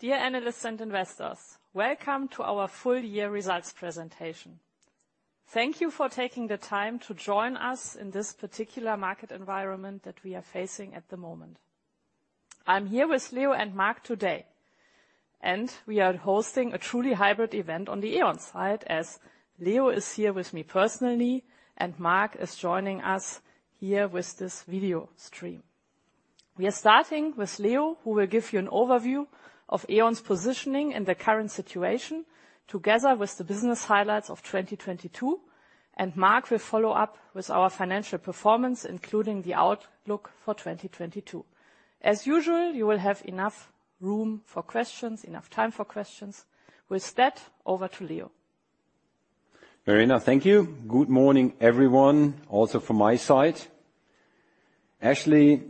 Dear analysts and investors, welcome to our full year results presentation. Thank you for taking the time to join us in this particular market environment that we are facing at the moment. I'm here with Leo and Marc today, and we are hosting a truly hybrid event on the E.ON side as Leo is here with me personally, and Marc is joining us here with this video stream. We are starting with Leo, who will give you an overview of E.ON's positioning in the current situation together with the business highlights of 2022, and Marc will follow up with our financial performance, including the outlook for 2022. As usual, you will have enough room for questions, enough time for questions. With that, over to Leo. Verena, thank you. Good morning, everyone, also from my side. Actually,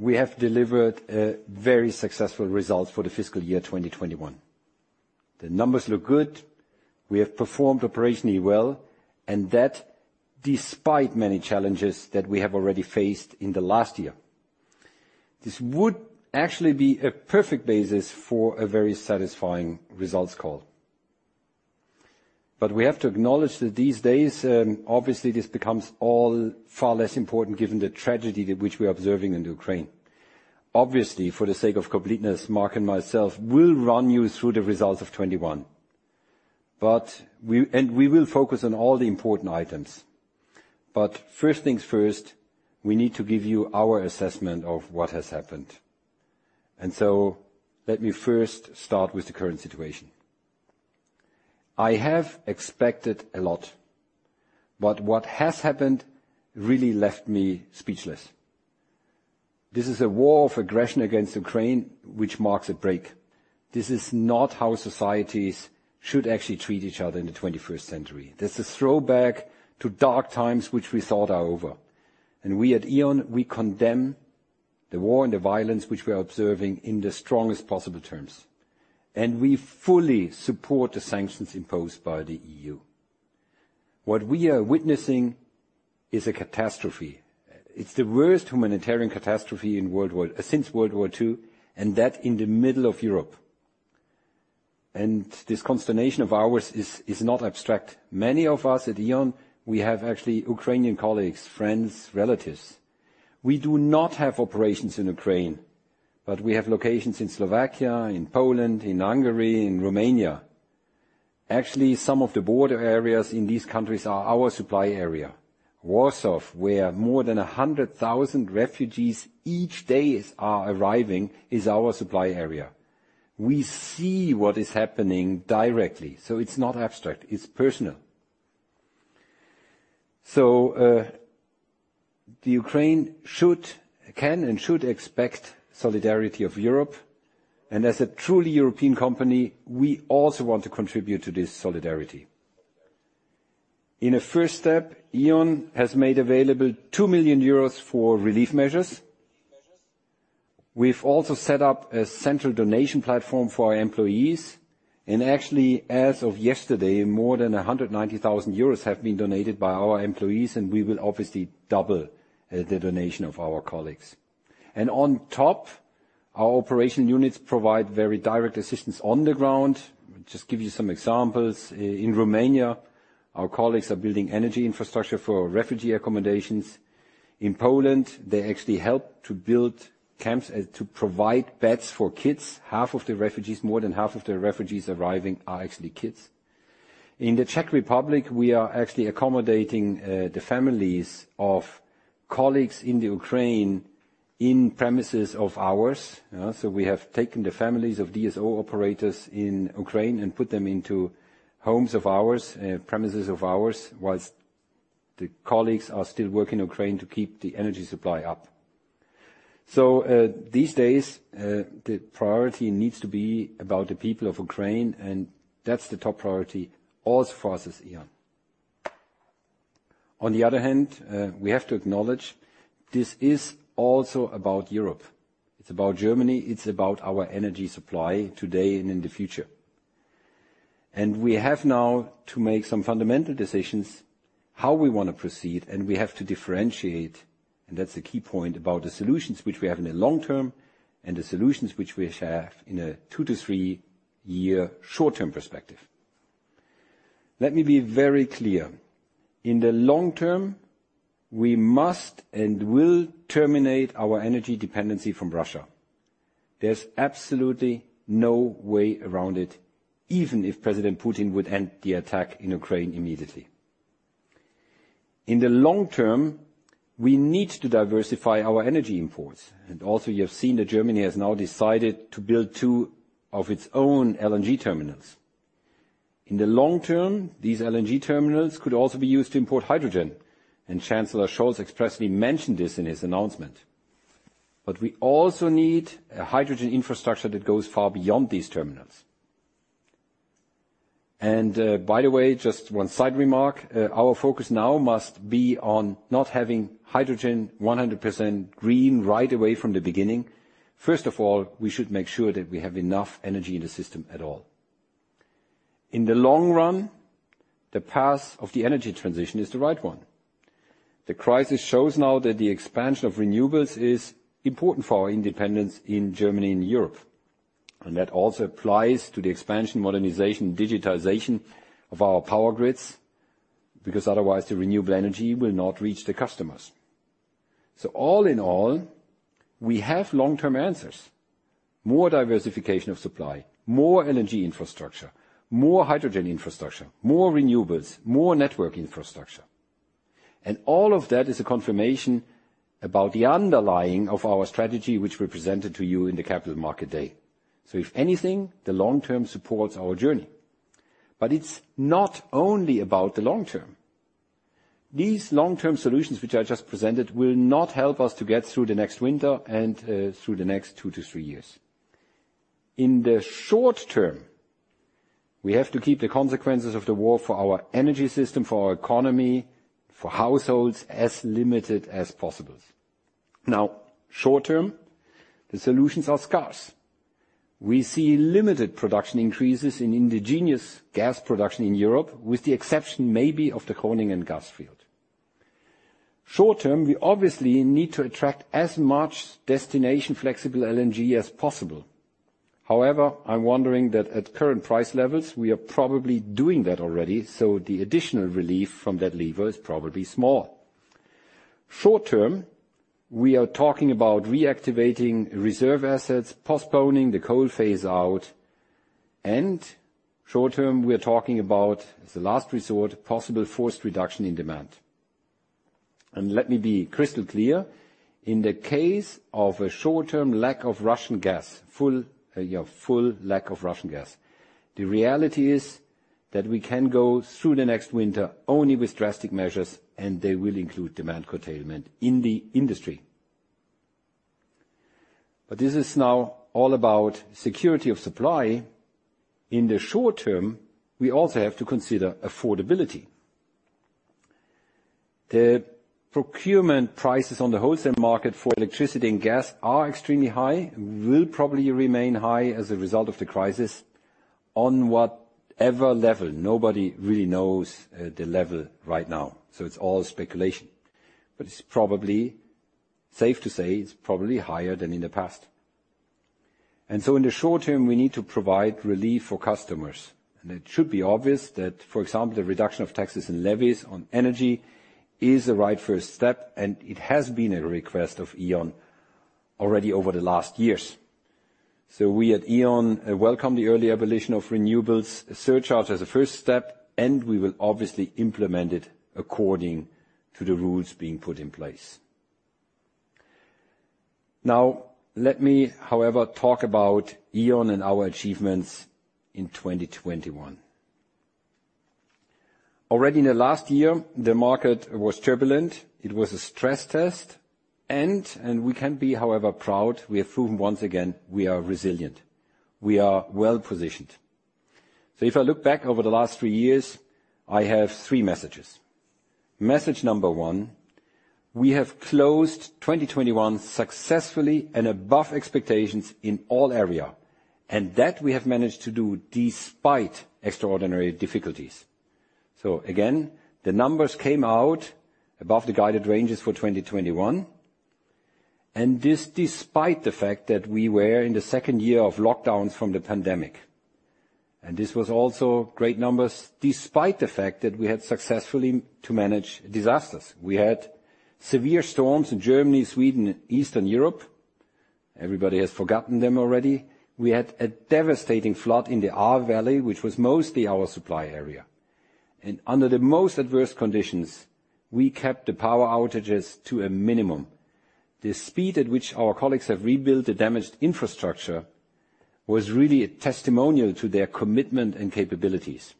we have delivered a very successful result for the fiscal year 2021. The numbers look good. We have performed operationally well, and that despite many challenges that we have already faced in the last year. This would actually be a perfect basis for a very satisfying results call. We have to acknowledge that these days, obviously this becomes all far less important given the tragedy that which we are observing in Ukraine. Obviously, for the sake of completeness, Marc and myself will run you through the results of 2021. We will focus on all the important items. First things first, we need to give you our assessment of what has happened. Let me first start with the current situation. I have expected a lot, but what has happened really left me speechless. This is a war of aggression against Ukraine, which marks a break. This is not how societies should actually treat each other in the twenty-first century. This is a throwback to dark times which we thought are over. We at E.ON, we condemn the war and the violence which we are observing in the strongest possible terms, and we fully support the sanctions imposed by the EU. What we are witnessing is a catastrophe. It's the worst humanitarian catastrophe since World War II, and that in the middle of Europe. This consternation of ours is not abstract. Many of us at E.ON, we have actually Ukrainian colleagues, friends, relatives. We do not have operations in Ukraine, but we have locations in Slovakia, in Poland, in Hungary, in Romania. Actually, some of the border areas in these countries are our supply area. Warsaw, where more than 100,000 refugees each day are arriving, is our supply area. We see what is happening directly, so it's not abstract, it's personal. The Ukraine should, can and should expect solidarity of Europe, and as a truly European company, we also want to contribute to this solidarity. In a first step, E.ON has made available 2 million euros for relief measures. We've also set up a central donation platform for our employees, and actually, as of yesterday, more than 190,000 euros have been donated by our employees, and we will obviously double the donation of our colleagues. On top, our operating units provide very direct assistance on the ground. Just give you some examples. In Romania, our colleagues are building energy infrastructure for refugee accommodations. In Poland, they actually help to build camps to provide beds for kids. Half of the refugees, more than half of the refugees arriving are actually kids. In the Czech Republic, we are actually accommodating the families of colleagues in the Ukraine in premises of ours. We have taken the families of DSO operators in Ukraine and put them into homes of ours, premises of ours, whilst the colleagues are still working in Ukraine to keep the energy supply up. These days, the priority needs to be about the people of Ukraine, and that's the top priority, also for us as E.ON. On the other hand, we have to acknowledge this is also about Europe. It's about Germany, it's about our energy supply today and in the future. We have now to make some fundamental decisions how we wanna proceed, and we have to differentiate, and that's the key point about the solutions which we have in the long term and the solutions which we have in a two to three-year short-term perspective. Let me be very clear. In the long term, we must and will terminate our energy dependency from Russia. There's absolutely no way around it, even if President Putin would end the attack in Ukraine immediately. In the long term, we need to diversify our energy imports. Also, you have seen that Germany has now decided to build two of its own LNG terminals. In the long term, these LNG terminals could also be used to import hydrogen, and Chancellor Scholz expressly mentioned this in his announcement. We also need a hydrogen infrastructure that goes far beyond these terminals. By the way, just one side remark, our focus now must be on not having hydrogen 100% green right away from the beginning. First of all, we should make sure that we have enough energy in the system at all. In the long run, the path of the energy transition is the right one. The crisis shows now that the expansion of renewables is important for our independence in Germany and Europe. That also applies to the expansion, modernization, digitization of our power grids, because otherwise the renewable energy will not reach the customers. All in all, we have long-term answers. More diversification of supply, more energy infrastructure, more hydrogen infrastructure, more renewables, more network infrastructure. All of that is a confirmation about the underlying of our strategy which we presented to you in the Capital Markets Day. If anything, the long term supports our journey. It's not only about the long term. These long-term solutions which I just presented will not help us to get through the next winter and through the next two tp three years. In the short term, we have to keep the consequences of the war for our energy system, for our economy, for households as limited as possible. Now, short term, the solutions are scarce. We see limited production increases in indigenous gas production in Europe, with the exception maybe of the Groningen gas field. Short term, we obviously need to attract as much destination flexible LNG as possible. However, I'm wondering that at current price levels, we are probably doing that already, so the additional relief from that lever is probably small. Short term, we are talking about reactivating reserve assets, postponing the coal phase out, and short term, we are talking about, as a last resort, possible forced reduction in demand. Let me be crystal clear. In the case of a short-term lack of Russian gas, full lack of Russian gas, the reality is that we can go through the next winter only with drastic measures, and they will include demand curtailment in the industry. This is now all about security of supply. In the short term, we also have to consider affordability. The procurement prices on the wholesale market for electricity and gas are extremely high and will probably remain high as a result of the crisis on whatever level. Nobody really knows the level right now, so it's all speculation. It's probably safe to say it's higher than in the past. In the short term, we need to provide relief for customers. It should be obvious that, for example, the reduction of taxes and levies on energy is the right first step, and it has been a request of E.ON already over the last years. We at E.ON welcome the early abolition of renewables surcharge as a first step, and we will obviously implement it according to the rules being put in place. Now, let me, however, talk about E.ON and our achievements in 2021. Already in the last year, the market was turbulent. It was a stress test and we can be, however, proud we have proven once again we are resilient. We are well-positioned. If I look back over the last three years, I have three messages. Message number one, we have closed 2021 successfully and above expectations in all area, and that we have managed to do despite extraordinary difficulties. Again, the numbers came out above the guided ranges for 2021, and this despite the fact that we were in the second year of lockdowns from the pandemic. This was also great numbers despite the fact that we had successfully to manage disasters. We had severe storms in Germany, Sweden, Eastern Europe. Everybody has forgotten them already. We had a devastating flood in the Ahr Valley, which was mostly our supply area. Under the most adverse conditions, we kept the power outages to a minimum. The speed at which our colleagues have rebuilt the damaged infrastructure was really a testimonial to their commitment and capabilities.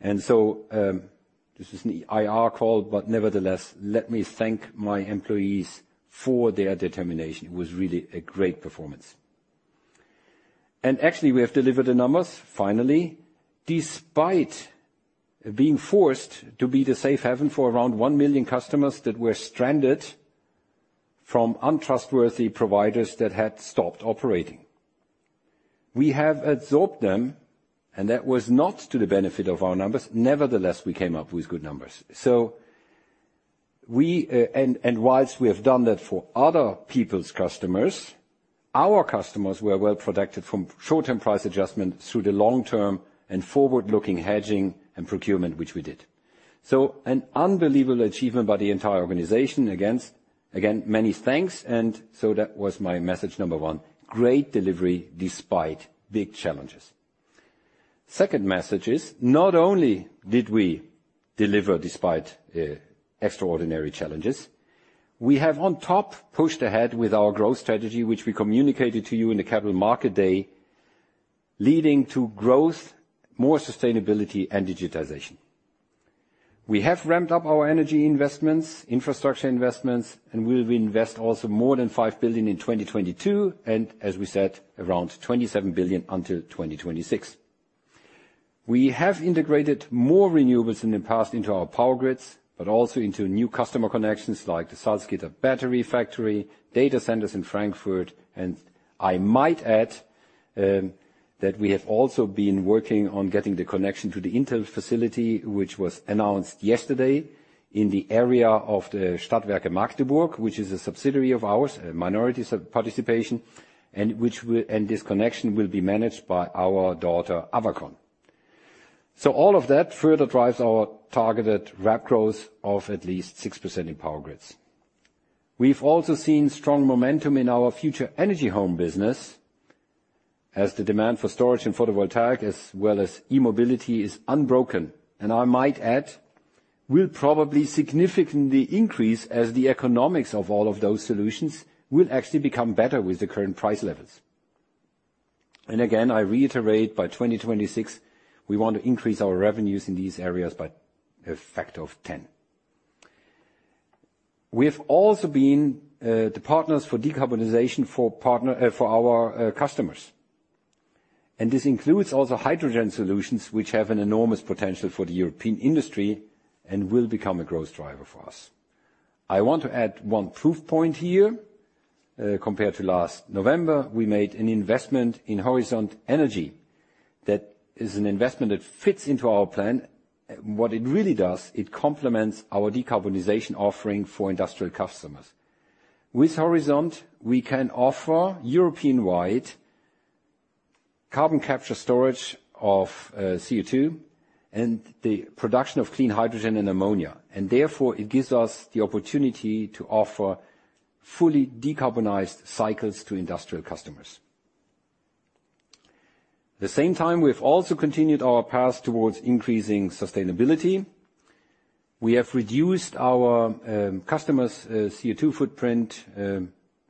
This is an IR call, but nevertheless, let me thank my employees for their determination. It was really a great performance. Actually, we have delivered the numbers finally, despite being forced to be the safe haven for around 1 million customers that were stranded from untrustworthy providers that had stopped operating. We have absorbed them and that was not to the benefit of our numbers. Nevertheless, we came up with good numbers. We, and whilst we have done that for other people's customers, our customers were well protected from short-term price adjustment through the long term and forward-looking hedging and procurement, which we did. An unbelievable achievement by the entire organization. Again, many thanks. That was my message number one, great delivery despite big challenges. Second message is, not only did we deliver despite extraordinary challenges, we have on top pushed ahead with our growth strategy, which we communicated to you in the Capital Markets Day, leading to growth, more sustainability and digitization. We have ramped up our energy investments, infrastructure investments, and we will invest also more than 5 billion in 2022 and as we said, around 27 billion until 2026. We have integrated more renewables in the past into our power grids, but also into new customer connections like the Salzgitter battery factory, data centers in Frankfurt, and I might add, that we have also been working on getting the connection to the Intel facility, which was announced yesterday in the area of the Stadtwerke Magdeburg, which is a subsidiary of ours, a minority sub-participation, and this connection will be managed by our daughter, Avacon. All of that further drives our targeted rev growth of at least 6% in Power Grids. We've also seen strong momentum in our Future Energy Home business as the demand for storage and photovoltaic, as well as e-mobility, is unbroken. I might add, will probably significantly increase as the economics of all of those solutions will actually become better with the current price levels. Again, I reiterate, by 2026 we want to increase our revenues in these areas by a factor of 10. We have also been the partners for decarbonization for our customers. This includes also hydrogen solutions which have an enormous potential for the European industry and will become a growth driver for us. I want to add one proof point here. Compared to last November, we made an investment in Horisont Energi. That is an investment that fits into our plan. What it really does, it complements our decarbonization offering for industrial customers. With Horisont, we can offer European-wide carbon capture storage of CO2 and the production of clean hydrogen and ammonia. Therefore, it gives us the opportunity to offer fully decarbonized cycles to industrial customers. At the same time, we've also continued our path towards increasing sustainability. We have reduced our customers' CO2 footprint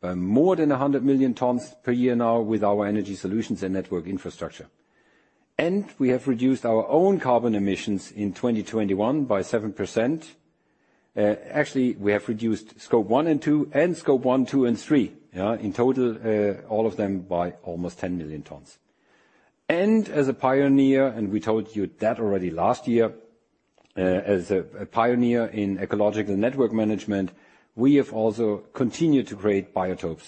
by more than 100 million tons per year now with our energy solutions and network infrastructure. We have reduced our own carbon emissions in 2021 by 7%. Actually, we have reduced Scope 1 and 2, and Scope 1, 2, and 3. In total, all of them by almost 10 million tons. As a pioneer, and we told you that already last year, as a pioneer in ecological network management, we have also continued to create biotopes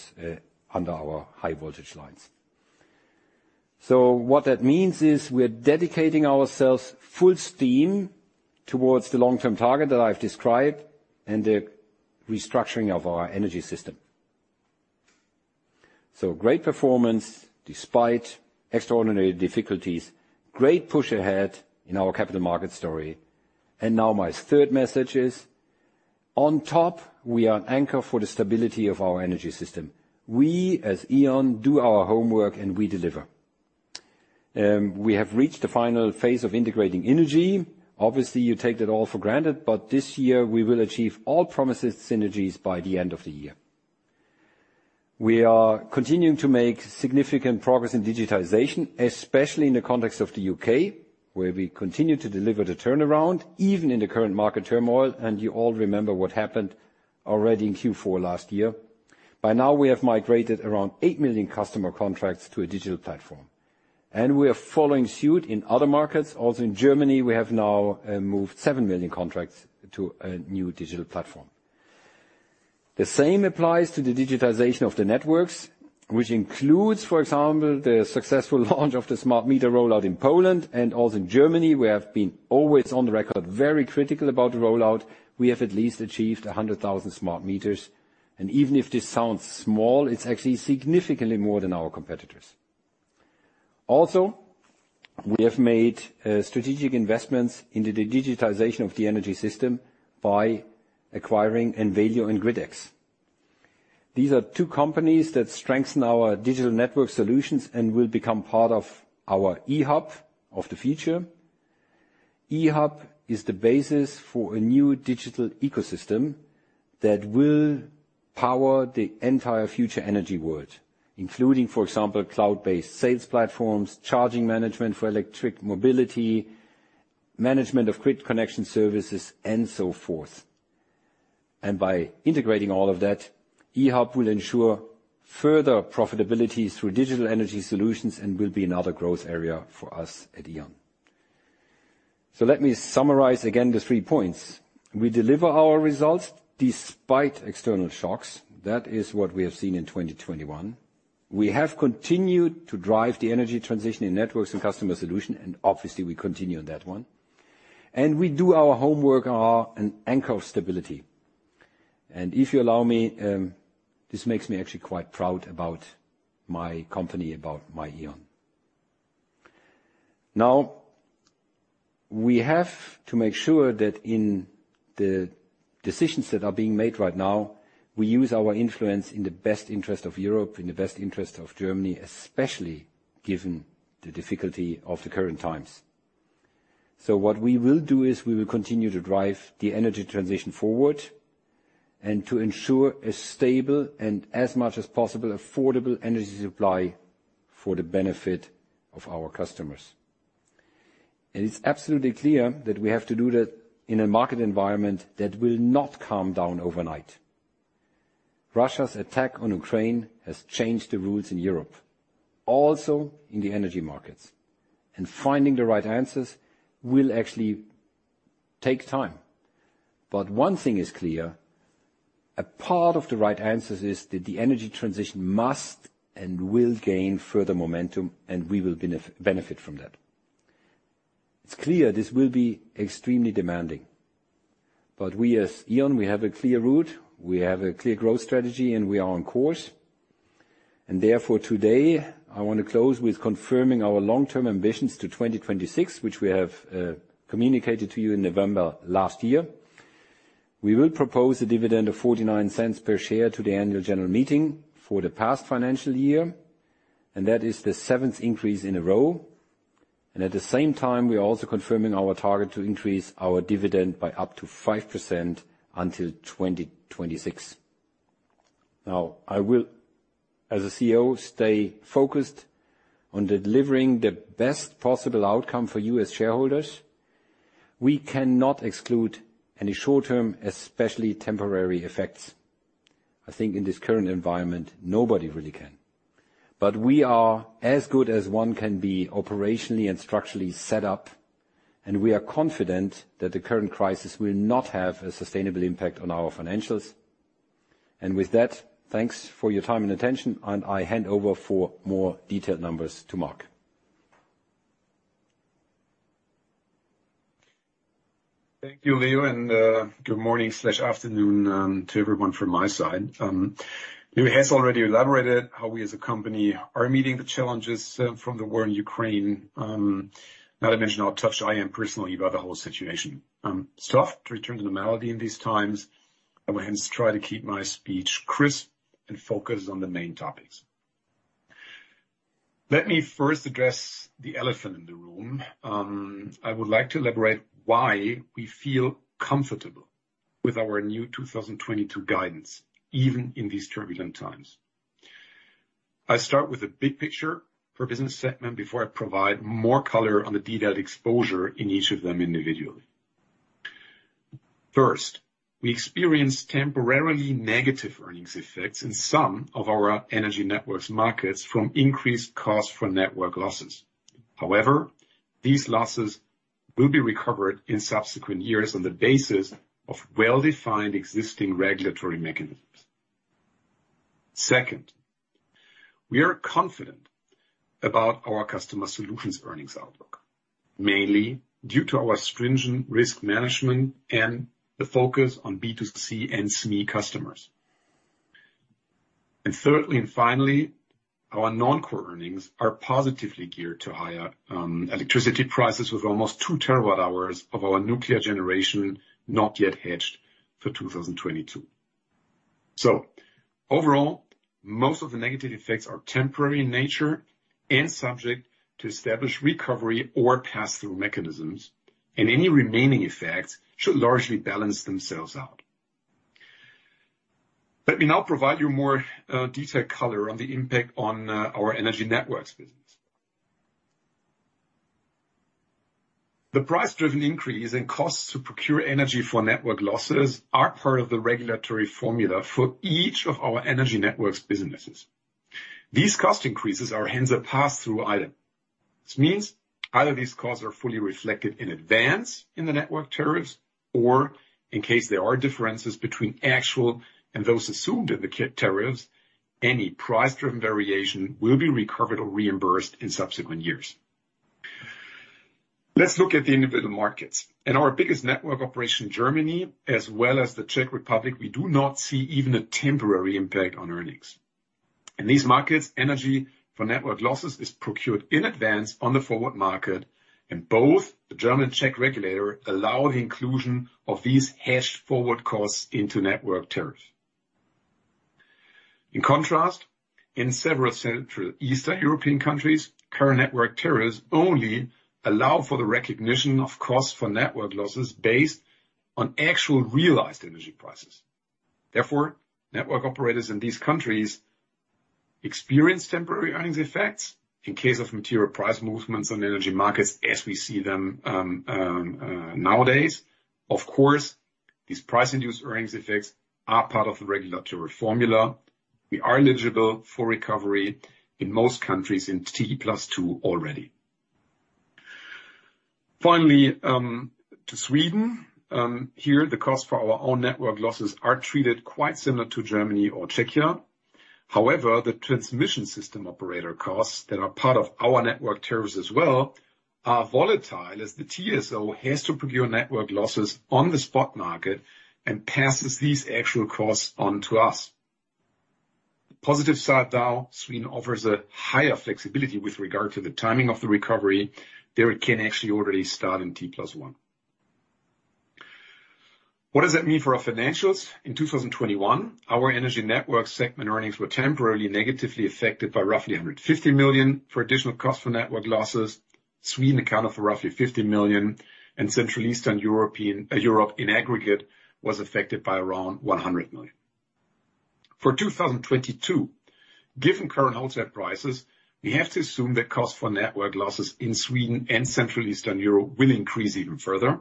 under our high voltage lines. What that means is, we're dedicating ourselves full steam towards the long-term target that I've described and the restructuring of our energy system. Great performance despite extraordinary difficulties. Great push ahead in our capital markets story. Now my third message is, on top, we are an anchor for the stability of our energy system. We, as E.ON, do our homework and we deliver. We have reached the final phase of integrating innogy. Obviously, you take that all for granted, but this year we will achieve all promised synergies by the end of the year. We are continuing to make significant progress in digitization, especially in the context of the U.K., where we continue to deliver the turnaround, even in the current market turmoil, and you all remember what happened already in Q4 last year. By now, we have migrated around 8 million customer contracts to a digital platform. We are following suit in other markets. In Germany, we have now moved 7 million contracts to a new digital platform. The same applies to the digitization of the networks, which includes, for example, the successful launch of the smart meter rollout in Poland. In Germany, we have been always on the record, very critical about the rollout. We have at least achieved 100,000 smart meters, and even if this sounds small, it's actually significantly more than our competitors. We have made strategic investments into the digitization of the energy system by acquiring envelio and GridX. These are two companies that strengthen our digital network solutions and will become part of our eHub of the future. eHub is the basis for a new digital ecosystem that will power the entire future energy world, including, for example, cloud-based sales platforms, charging management for electric mobility, management of grid connection services, and so forth. By integrating all of that, eHub will ensure further profitability through digital energy solutions and will be another growth area for us at E.ON. Let me summarize again the three points. We deliver our results despite external shocks. That is what we have seen in 2021. We have continued to drive the energy transition in networks and Customer Solutions, and obviously, we continue on that one. We do our homework, are an anchor of stability. If you allow me, this makes me actually quite proud about my company, about my E.ON. Now, we have to make sure that in the decisions that are being made right now, we use our influence in the best interest of Europe, in the best interest of Germany, especially given the difficulty of the current times. What we will do is we will continue to drive the energy transition forward and to ensure a stable and, as much as possible, affordable energy supply for the benefit of our customers. It's absolutely clear that we have to do that in a market environment that will not calm down overnight. Russia's attack on Ukraine has changed the rules in Europe, also in the energy markets. Finding the right answers will actually take time. One thing is clear. A part of the right answers is that the energy transition must and will gain further momentum, and we will benefit from that. It's clear this will be extremely demanding, but we as E.ON, we have a clear route, we have a clear growth strategy, and we are on course. Therefore, today, I wanna close with confirming our long-term ambitions to 2026, which we have communicated to you in November last year. We will propose a dividend of 0.49 per share to the annual general meeting for the past financial year, and that is the seventh increase in a row. At the same time, we are also confirming our target to increase our dividend by up to 5% until 2026. Now, I will, as a CEO, stay focused on delivering the best possible outcome for you as shareholders. We cannot exclude any short-term, especially temporary effects. I think in this current environment, nobody really can. But we are as good as one can be operationally and structurally set up, and we are confident that the current crisis will not have a sustainable impact on our financials. With that, thanks for your time and attention, and I hand over for more detailed numbers to Marc. Thank you, Leo, and good morning/afternoon to everyone from my side. Leo has already elaborated how we as a company are meeting the challenges from the war in Ukraine. Not to mention how touched I am personally about the whole situation. To return to normality in these times, I will hence try to keep my speech crisp and focused on the main topics. Let me first address the elephant in the room. I would like to elaborate why we feel comfortable with our new 2022 guidance, even in these turbulent times. I start with the big picture per business segment before I provide more color on the detailed exposure in each of them individually. First, we experience temporarily negative earnings effects in some of our Energy Networks markets from increased costs for network losses. However, these losses will be recovered in subsequent years on the basis of well-defined existing regulatory mechanisms. Second, we are confident about our Customer Solutions earnings outlook, mainly due to our stringent risk management and the focus on B2C and SME customers. Thirdly and finally, our non-core earnings are positively geared to higher electricity prices with almost 2 TWh of our nuclear generation not yet hedged for 2022. Overall, most of the negative effects are temporary in nature and subject to established recovery or pass-through mechanisms, and any remaining effects should largely balance themselves out. Let me now provide you more detailed color on the impact on our Energy Networks business. The price-driven increase in costs to procure energy for network losses are part of the regulatory formula for each of our Energy Networks businesses. These cost increases are hence a pass-through item. This means either these costs are fully reflected in advance in the network tariffs, or in case there are differences between actual and those assumed in the calculated tariffs, any price-driven variation will be recovered or reimbursed in subsequent years. Let's look at the individual markets. In our biggest network operation, Germany, as well as the Czech Republic, we do not see even a temporary impact on earnings. In these markets, energy for network losses is procured in advance on the forward market, and both the German and Czech regulators allow the inclusion of these hedged forward costs into network tariff. In contrast, in several Central and Eastern European countries, current network tariffs only allow for the recognition of cost for network losses based on actual realized energy prices. Therefore, network operators in these countries experience temporary earnings effects in case of material price movements on energy markets as we see them, nowadays. Of course, these price-induced earnings effects are part of the regulatory formula. We are eligible for recovery in most countries in T+2 already. Finally, to Sweden. Here the cost for our own network losses are treated quite similar to Germany or Czechia. However, the transmission system operator costs that are part of our network tariffs as well are volatile, as the TSO has to procure network losses on the spot market and passes these actual costs on to us. The positive side, though, Sweden offers a higher flexibility with regard to the timing of the recovery. There, it can actually already start in T+1. What does that mean for our financials? In 2021, our Energy Networks segment earnings were temporarily negatively affected by roughly 150 million for additional cost for network losses. Sweden accounted for roughly 50 million, and Central Eastern Europe in aggregate was affected by around 100 million. For 2022, given current wholesale prices, we have to assume that cost for network losses in Sweden and Central Eastern Europe will increase even further.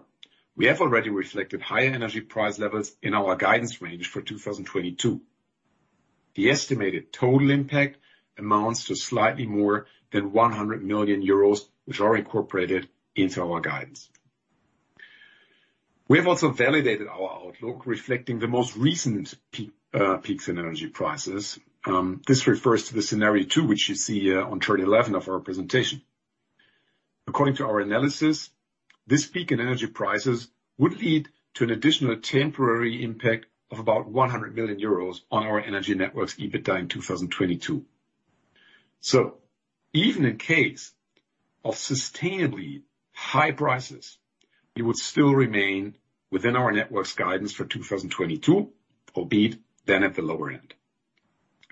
We have already reflected higher energy price levels in our guidance range for 2022. The estimated total impact amounts to slightly more than 100 million euros, which are incorporated into our guidance. We have also validated our outlook reflecting the most recent peaks in energy prices. This refers to the scenario two, which you see on page 11 of our presentation. According to our analysis, this peak in energy prices would lead to an additional temporary impact of about 100 million euros on our Energy Networks EBITDA in 2022. Even in case of sustainably high prices, we would still remain within our networks guidance for 2022, albeit then at the lower end.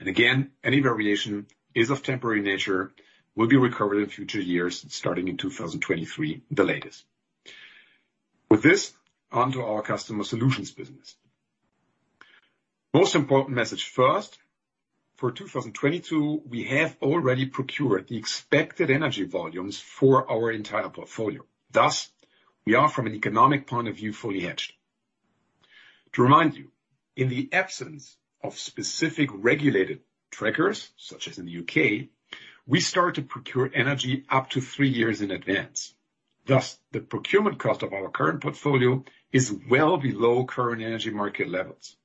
Again, any variation is of temporary nature, will be recovered in future years, starting in 2023, the latest. With this, onto our Customer Solutions business. Most important message first. For 2022, we have already procured the expected energy volumes for our entire portfolio. Thus, we are, from an economic point of view, fully hedged. To remind you, in the absence of specific regulated trackers, such as in the U.K., we start to procure energy up to three years in advance. Thus, the procurement cost of our current portfolio is well below current energy market levels.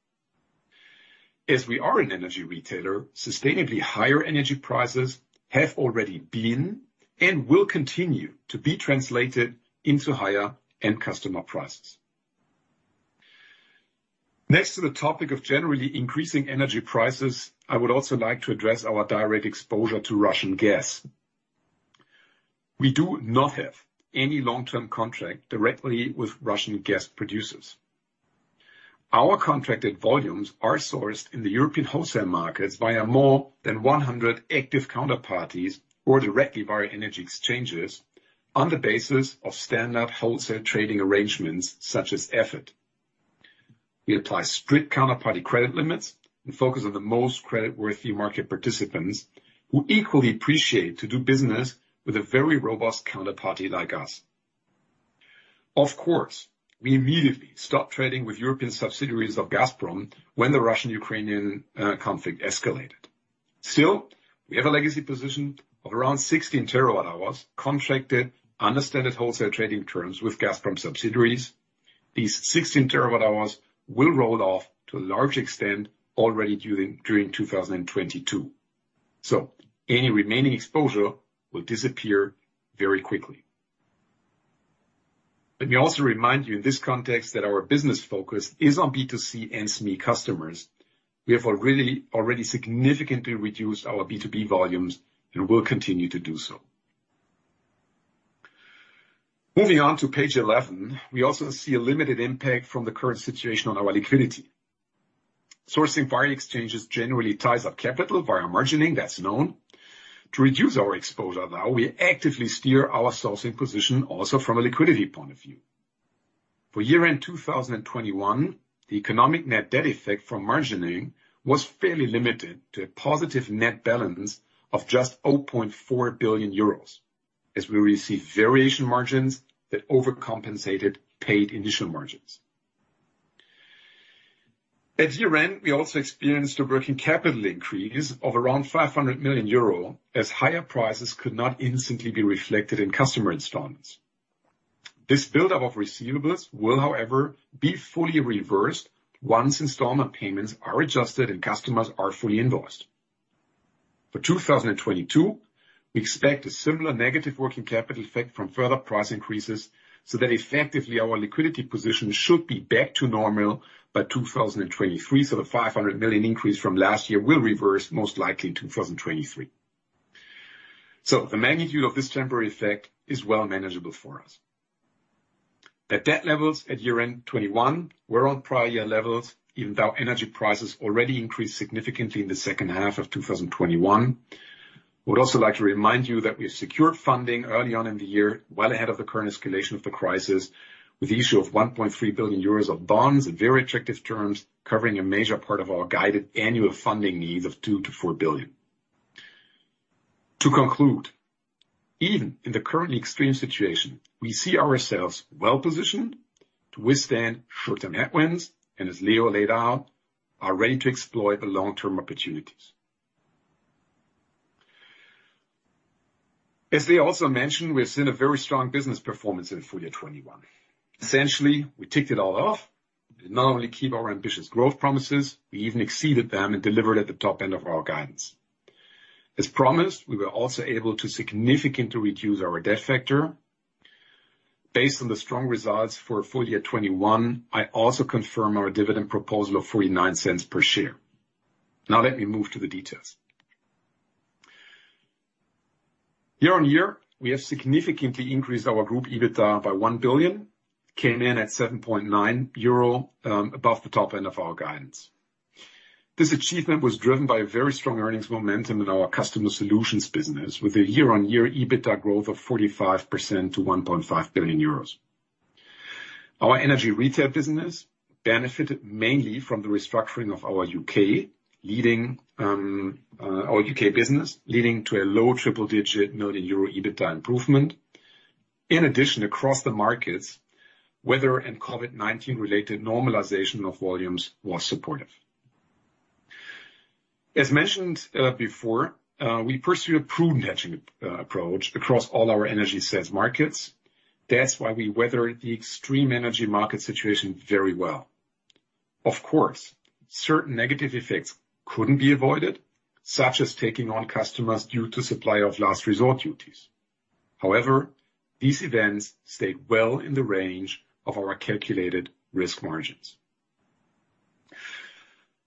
As we are an energy retailer, sustainably higher energy prices have already been and will continue to be translated into higher end customer prices. Next to the topic of generally increasing energy prices, I would also like to address our direct exposure to Russian gas. We do not have any long-term contract directly with Russian gas producers. Our contracted volumes are sourced in the European wholesale markets via more than 100 active counterparties or directly via energy exchanges on the basis of standard wholesale trading arrangements such as EFET. We apply strict counterparty credit limits and focus on the most creditworthy market participants, who equally appreciate to do business with a very robust counterparty like us. Of course, we immediately stopped trading with European subsidiaries of Gazprom when the Russian-Ukrainian conflict escalated. Still, we have a legacy position of around 16 TWh contracted under standard wholesale trading terms with Gazprom subsidiaries. These 16 TWh will roll off to a large extent already during 2022, so any remaining exposure will disappear very quickly. Let me also remind you in this context that our business focus is on B2C and SME customers. We have already significantly reduced our B2B volumes and will continue to do so. Moving on to page 11. We also see a limited impact from the current situation on our liquidity. Sourcing via exchanges generally ties up capital via margining. That's known. To reduce our exposure, though, we actively steer our sourcing position also from a liquidity point of view. For year-end 2021, the economic net debt effect from margining was fairly limited to a positive net balance of just 0.4 billion euros as we received variation margins that overcompensated paid initial margins. At year-end, we also experienced a working capital increase of around 500 million euro as higher prices could not instantly be reflected in customer installments. This buildup of receivables will, however, be fully reversed once installment payments are adjusted and customers are fully invoiced. For 2022, we expect a similar negative working capital effect from further price increases, so that effectively our liquidity position should be back to normal by 2023. The 500 million increase from last year will reverse most likely in 2023. The magnitude of this temporary effect is well manageable for us. The debt levels at year-end 2021 were on prior year levels, even though energy prices already increased significantly in the second half of 2021. Would also like to remind you that we secured funding early on in the year, well ahead of the current escalation of the crisis, with the issue of 1.3 billion euros of bonds and very attractive terms covering a major part of our guided annual funding needs of 2 billion-4 billion. To conclude, even in the current extreme situation, we see ourselves well-positioned to withstand short-term headwinds and as Leo laid out, are ready to exploit the long-term opportunities. As Leo also mentioned, we have seen a very strong business performance in full year 2021. Essentially, we ticked it all off. We not only keep our ambitious growth promises, we even exceeded them and delivered at the top end of our guidance. As promised, we were also able to significantly reduce our debt factor. Based on the strong results for full year 2021, I also confirm our dividend proposal of 0.49 per share. Now let me move to the details. Year-on-year, we have significantly increased our group EBITDA by 1 billion, came in at 7.9 billion euro above the top end of our guidance. This achievement was driven by a very strong earnings momentum in our Customer Solutions business with a year-on-year EBITDA growth of 45% to 1.5 billion euros. Our energy retail business benefited mainly from the restructuring of our U.K. business, leading to a low triple-digit million euro EBITDA improvement. In addition, across the markets, weather and COVID-19 related normalization of volumes was supportive. As mentioned, before, we pursue a prudent hedging approach across all our energy sales markets. That's why we weather the extreme energy market situation very well. Of course, certain negative effects couldn't be avoided, such as taking on customers due to supplier of last resort duties. However, these events stayed well in the range of our calculated risk margins.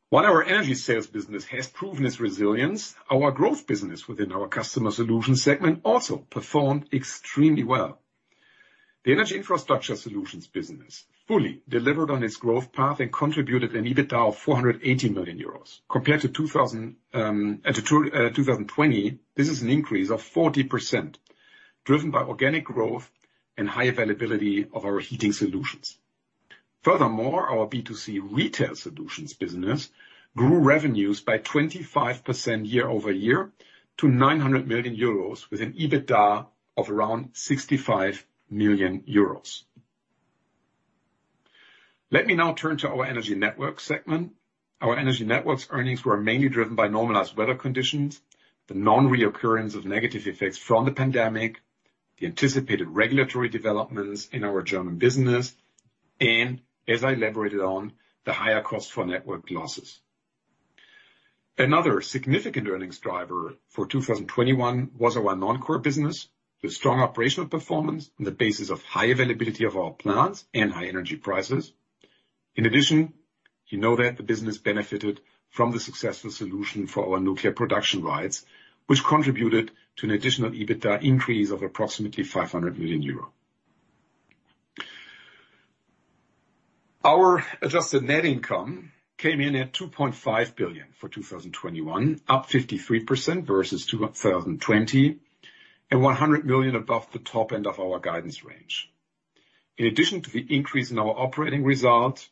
While our energy sales business has proven its resilience, our growth business within our Customer Solutions segment also performed extremely well. The Energy Infrastructure Solutions business fully delivered on its growth path and contributed an EBITDA of 480 million euros. Compared to 2020, this is an increase of 40%, driven by organic growth and high availability of our heating solutions. Furthermore, our B2C retail solutions business grew revenues by 25% year-over-year to 900 million euros with an EBITDA of around 65 million euros. Let me now turn to our Energy Networks segment. Our Energy Networks earnings were mainly driven by normalized weather conditions, the non-reoccurrence of negative effects from the pandemic, the anticipated regulatory developments in our German business and, as I elaborated on, the higher cost for network losses. Another significant earnings driver for 2021 was our non-core business, with strong operational performance on the basis of high availability of our plants and high energy prices. In addition, you know that the business benefited from the successful solution for our nuclear production rights, which contributed to an additional EBITDA increase of approximately 500 million euro. Our adjusted net income came in at 2.5 billion for 2021, up 53% versus 2020, and 100 million above the top end of our guidance range. In addition to the increase in our operating results,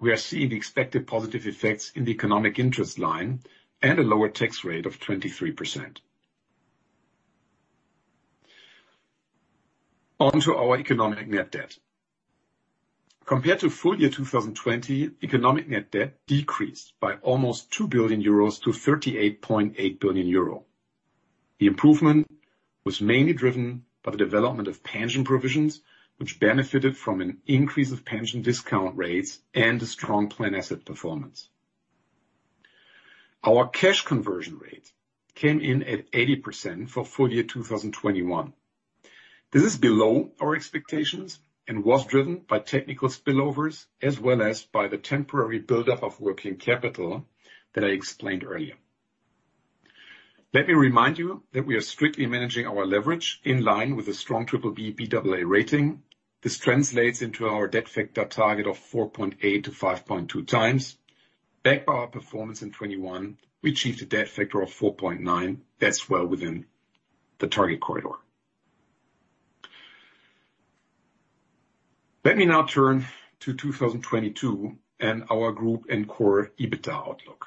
we are seeing the expected positive effects in the economic interest line and a lower tax rate of 23%. On to our economic net debt. Compared to full year 2020, economic net debt decreased by almost 2 billion euros to 38.8 billion euro. The improvement was mainly driven by the development of pension provisions, which benefited from an increase of pension discount rates and a strong plan asset performance. Our cash conversion rate came in at 80% for full year 2021. This is below our expectations and was driven by technical spillovers as well as by the temporary buildup of working capital that I explained earlier. Let me remind you that we are strictly managing our leverage in line with a strong BBB rating. This translates into our debt factor target of 4.8x-5.2x. Backed by our performance in 2021, we achieved a debt factor of 4.9x. That's well within the target corridor. Let me now turn to 2022 and our group and core EBITDA outlook.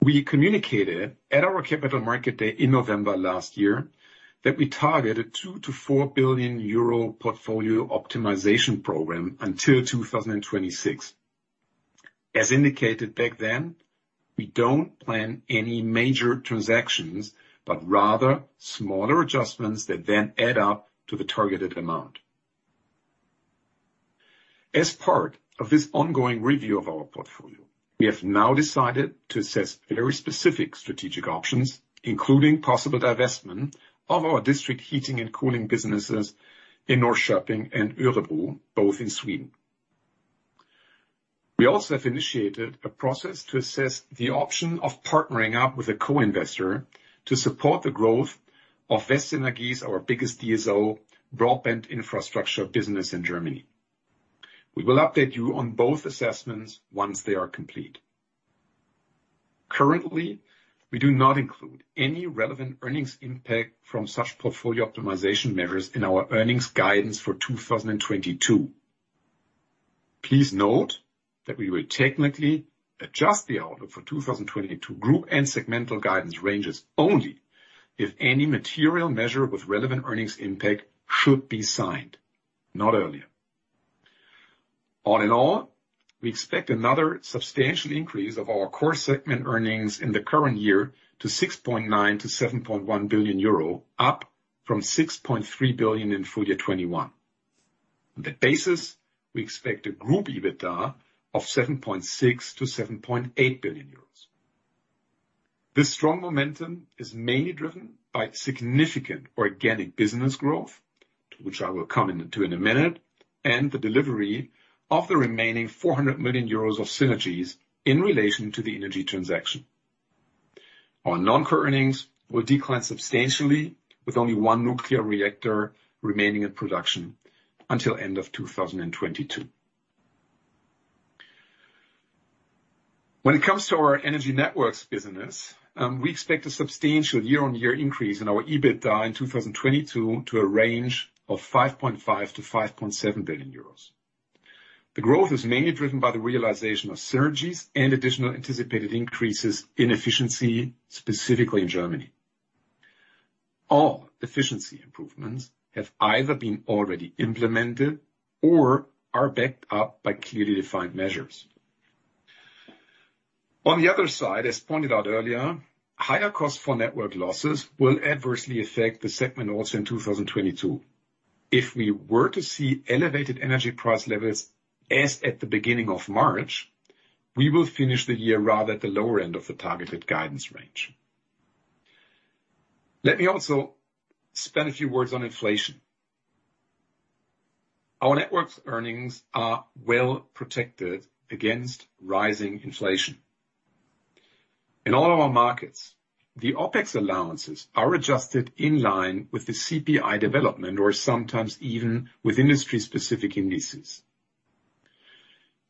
We communicated at our Capital Markets Day in November last year that we targeted 2 billion-4 billion euro portfolio optimization program until 2026. As indicated back then, we don't plan any major transactions, but rather smaller adjustments that then add up to the targeted amount. As part of this ongoing review of our portfolio, we have now decided to assess very specific strategic options, including possible divestment of our District Heating and Cooling businesses in Norrköping and Örebro, both in Sweden. We also have initiated a process to assess the option of partnering up with a co-investor to support the growth of Westnetz, our biggest DSO broadband infrastructure business in Germany. We will update you on both assessments once they are complete. Currently, we do not include any relevant earnings impact from such portfolio optimization measures in our earnings guidance for 2022. Please note that we will technically adjust the outlook for 2022 group and segmental guidance ranges only if any material measure with relevant earnings impact should be signed, not earlier. All in all, we expect another substantial increase of our core segment earnings in the current year to 6.9 billion-7.1 billion euro, up from 6.3 billion in full year 2021. On that basis, we expect a group EBITDA of 7.6 billion-7.8 billion euros. This strong momentum is mainly driven by significant organic business growth, to which I will come to in a minute, and the delivery of the remaining 400 million euros of synergies in relation to the innogy transaction. Our non-core earnings will decline substantially with only one nuclear reactor remaining in production until end of 2022. When it comes to our energy networks business, we expect a substantial year-on-year increase in our EBITDA in 2022 to a range of 5.5 billion-5.7 billion euros. The growth is mainly driven by the realization of synergies and additional anticipated increases in efficiency, specifically in Germany. All efficiency improvements have either been already implemented or are backed up by clearly defined measures. On the other side, as pointed out earlier, higher cost for network losses will adversely affect the segment also in 2022. If we were to see elevated energy price levels as at the beginning of March, we will finish the year rather at the lower end of the targeted guidance range. Let me also spend a few words on inflation. Our networks earnings are well protected against rising inflation. In all of our markets, the OpEx allowances are adjusted in line with the CPI development, or sometimes even with industry-specific indices.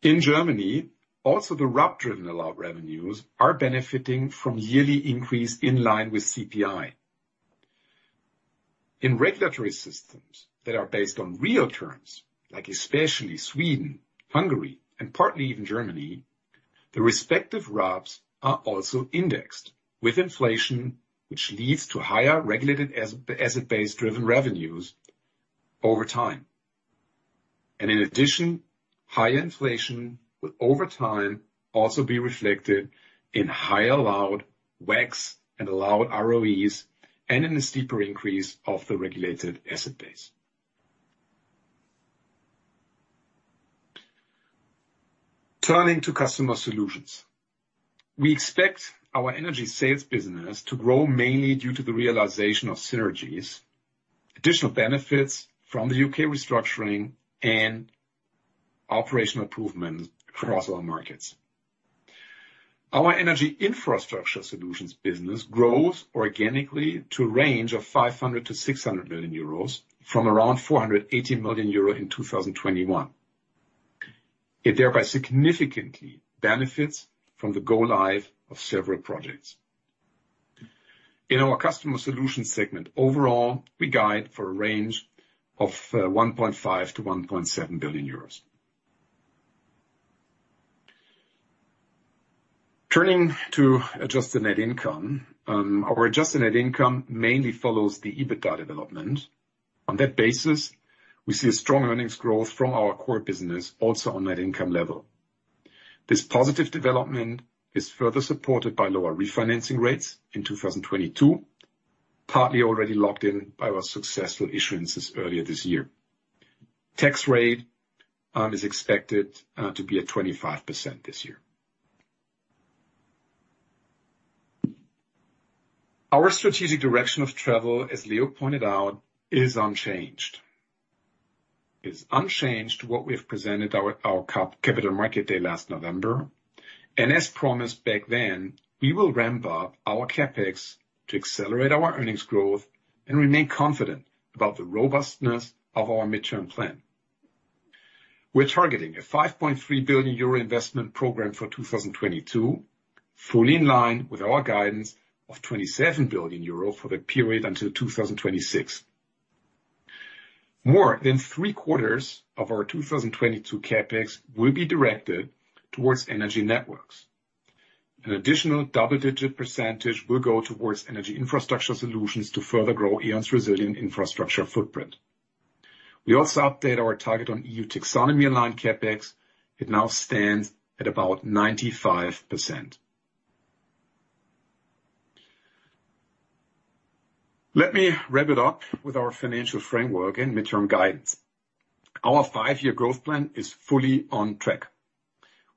In Germany, also the RAB-driven allowed revenues are benefiting from yearly increase in line with CPI. In regulatory systems that are based on real terms, like especially Sweden, Hungary, and partly even Germany, the respective RABs are also indexed with inflation, which leads to higher regulated asset-base driven revenues over time. In addition, high inflation will over time also be reflected in higher allowed WACC and allowed ROEs, and in the steeper increase of the regulated asset base. Turning to Customer Solutions. We expect our Energy Sales business to grow mainly due to the realization of synergies, additional benefits from the U.K. restructuring, and operational improvements across all markets. Our Energy Infrastructure Solutions business grows organically to a range of 500 million-600 million euros from around 480 million euro in 2021. It thereby significantly benefits from the go live of several projects. In our Customer Solutions segment overall, we guide for a range of 1.5 billion-1.7 billion euros. Turning to adjusted net income. Our adjusted net income mainly follows the EBITDA development. On that basis, we see a strong earnings growth from our core business also on net income level. This positive development is further supported by lower refinancing rates in 2022, partly already locked in by our successful issuances earlier this year. Tax rate is expected to be at 25% this year. Our strategic direction of travel, as Leo pointed out, is unchanged. It's unchanged what we have presented at our Capital Markets Day last November. As promised back then, we will ramp up our CapEx to accelerate our earnings growth and remain confident about the robustness of our midterm plan. We're targeting a 5.3 billion euro investment program for 2022, fully in line with our guidance of 27 billion euro for the period until 2026. More than three-quarters of our 2022 CapEx will be directed towards Energy Networks. An additional double-digit percentage will go towards Energy Infrastructure Solutions to further grow E.ON's resilient infrastructure footprint. We also update our target on EU taxonomy aligned CapEx. It now stands at about 95%. Let me wrap it up with our financial framework and midterm guidance. Our five-year growth plan is fully on track.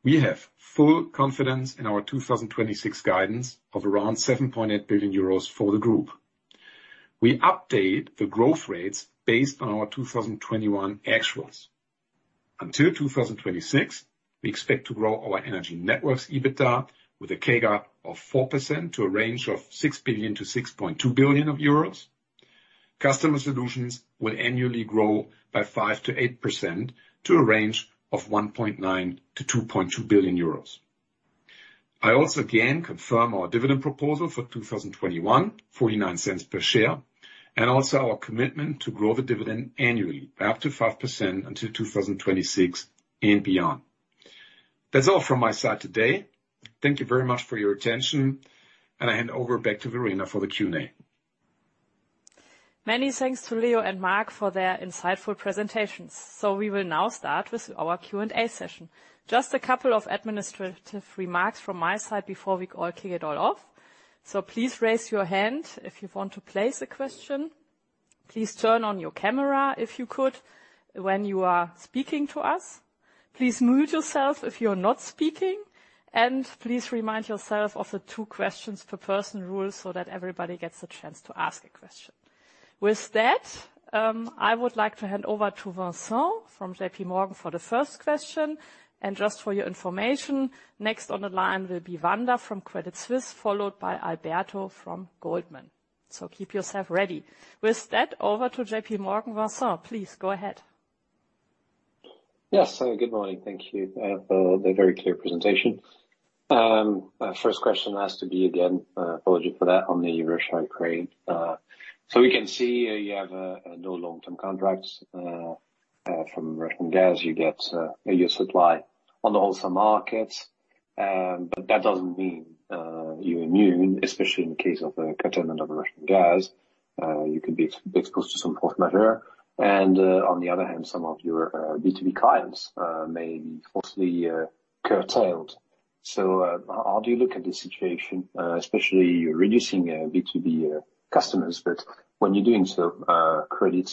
We have full confidence in our 2026 guidance of around 7.8 billion euros for the group. We update the growth rates based on our 2021 actuals. Until 2026, we expect to grow our Energy Networks EBITDA with a CAGR of 4% to a range of 6 billion-6.2 billion euros. Customer Solutions will annually grow by 5%-8% to a range of 1.9 billion-2.2 billion euros. I also again confirm our dividend proposal for 2021, 0.49 per share, and also our commitment to grow the dividend annually by up to 5% until 2026 and beyond. That's all from my side today. Thank you very much for your attention, and I hand over back to Verena for the Q&A. Many thanks to Leo and Marc for their insightful presentations. We will now start with our Q&A session. Just a couple of administrative remarks from my side before we all kick it all off. Please raise your hand if you want to place a question. Please turn on your camera, if you could, when you are speaking to us. Please mute yourself if you're not speaking, and please remind yourself of the two questions per person rule, so that everybody gets a chance to ask a question. With that, I would like to hand over to Vincent from JPMorgan for the first question. Just for your information, next on the line will be Wanda from Credit Suisse, followed by Alberto from Goldman. Keep yourself ready. With that, over to JPMorgan. Vincent, please go ahead. Yes. Good morning. Thank you for the very clear presentation. My first question has to be again, apology for that, on the Russia and Ukraine. We can see you have no long-term contracts from Russian gas. You get your supply on the wholesale markets, but that doesn't mean you're immune, especially in case of a curtailment of Russian gas. You can be exposed to some force majeure. On the other hand, some of your B2B clients may also be curtailed. How do you look at this situation, especially reducing B2B customers? When you're doing so, credit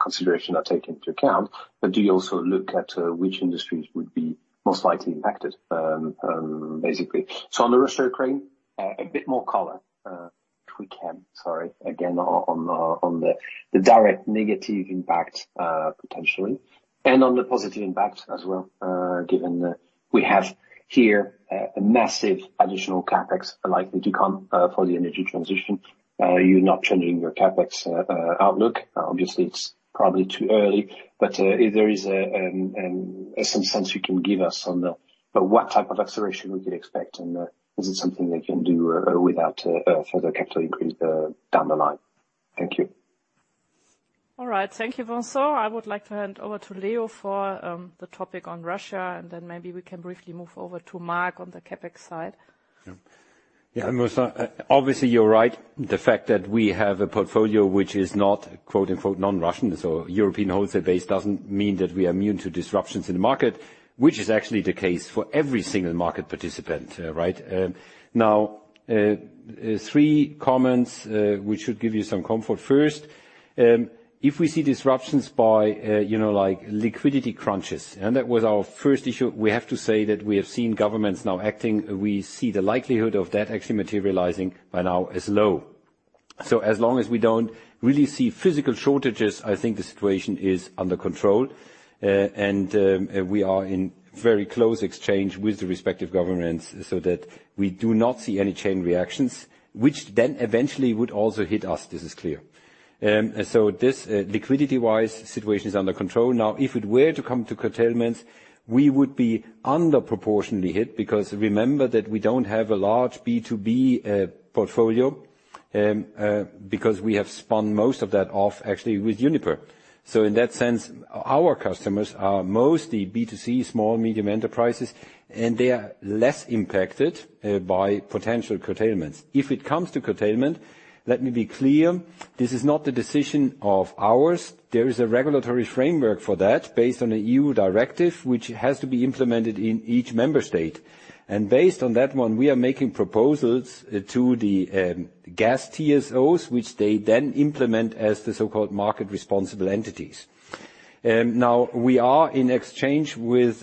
considerations are taken into account, but do you also look at which industries would be most likely impacted, basically? On the Russia and Ukraine, a bit more color, if we can. Sorry. Again, on the direct negative impact, potentially, and on the positive impact as well, given we have here a massive additional CapEx likely to come for the energy transition. Are you not changing your CapEx outlook? Obviously, it's probably too early, but if there is some sense you can give us on what type of acceleration we could expect, and is it something that you can do without further capital increase down the line? Thank you. All right. Thank you, Vincent. I would like to hand over to Leo for the topic on Russia, and then maybe we can briefly move over to Marc on the CapEx side. Yeah. Yeah, Vincent, obviously, you're right. The fact that we have a portfolio which is not, quote-unquote, non-Russian, so European wholesale base doesn't mean that we are immune to disruptions in the market, which is actually the case for every single market participant, right? Now, three comments, which should give you some comfort. First, if we see disruptions by, you know, like liquidity crunches, and that was our first issue, we have to say that we have seen governments now acting. We see the likelihood of that actually materializing by now is low. So as long as we don't really see physical shortages, I think the situation is under control, and we are in very close exchange with the respective governments so that we do not see any chain reactions, which then eventually would also hit us. This is clear. This liquidity-wise situation is under control. Now, if it were to come to curtailments, we would be under-proportionally hit because remember that we don't have a large B2B portfolio because we have spun most of that off actually with Uniper. In that sense, our customers are mostly B2C, small-medium enterprises, and they are less impacted by potential curtailments. If it comes to curtailment, let me be clear, this is not a decision of ours. There is a regulatory framework for that based on an EU directive, which has to be implemented in each member state. Based on that one, we are making proposals to the gas TSOs, which they then implement as the so-called market responsible entities. Now we are in exchange with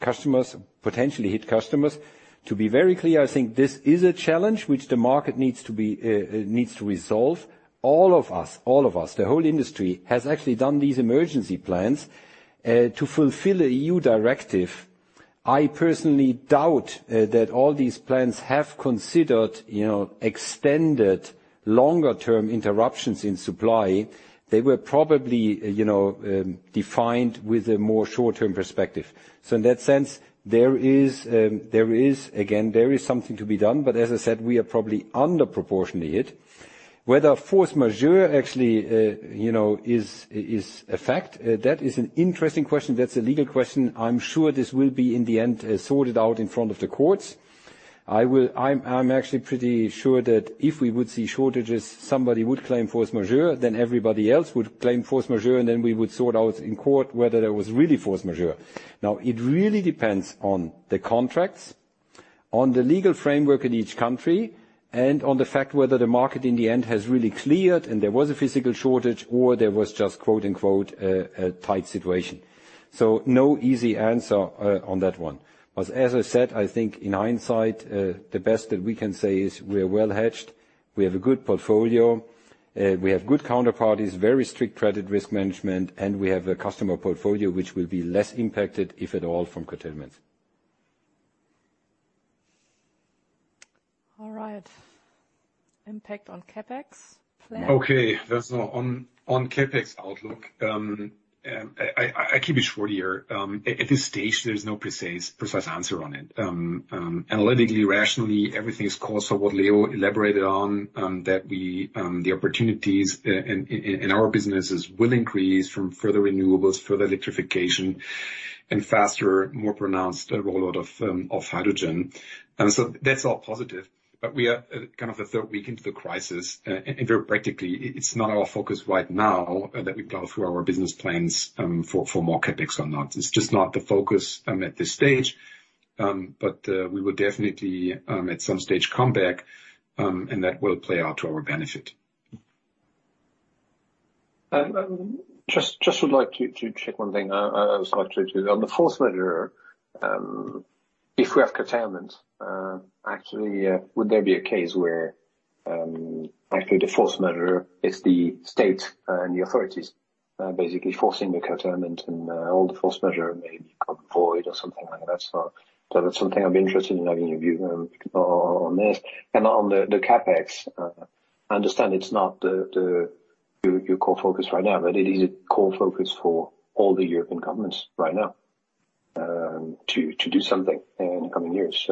customers, potentially hit customers. To be very clear, I think this is a challenge which the market needs to resolve. All of us, the whole industry, has actually done these emergency plans to fulfill an EU directive. I personally doubt that all these plans have considered, you know, extended longer-term interruptions in supply. They were probably, you know, defined with a more short-term perspective. In that sense, there is again something to be done. As I said, we are probably under-proportionally hit. Whether force majeure actually, you know, is a fact, that is an interesting question. That's a legal question. I'm sure this will be, in the end, sorted out in front of the courts. I'm actually pretty sure that if we would see shortages, somebody would claim force majeure, then everybody else would claim force majeure, and then we would sort out in court whether there was really force majeure. Now, it really depends on the contracts, on the legal framework in each country, and on the fact whether the market in the end has really cleared and there was a physical shortage or there was just, quote-unquote, a tight situation. No easy answer on that one. As I said, I think in hindsight, the best that we can say is we are well hedged. We have a good portfolio, we have good counterparties, very strict credit risk management, and we have a customer portfolio which will be less impacted, if at all, from curtailment. All right. Impact on CapEx. Marc? Okay. That's on CapEx outlook. I keep it short here. At this stage, there's no precise answer on it. Analytically, rationally, everything is cause for what Leo elaborated on, that the opportunities in our businesses will increase from further renewables, further electrification, and faster, more pronounced rollout of hydrogen. That's all positive. We are kind of the third week into the crisis, and very practically, it's not our focus right now that we plow through our business plans for more CapEx or not. It's just not the focus at this stage. We will definitely at some stage come back, and that will play out to our benefit. Just would like to check one thing. On the force majeure, if we have curtailment, actually, would there be a case where actually the force majeure is the state and the authorities basically forcing the curtailment and all the force majeure may become void or something like that? That's something I'd be interested in having a view on this. On the CapEx, I understand it's not your core focus right now, but it is a core focus for all the European governments right now, to do something in the coming years.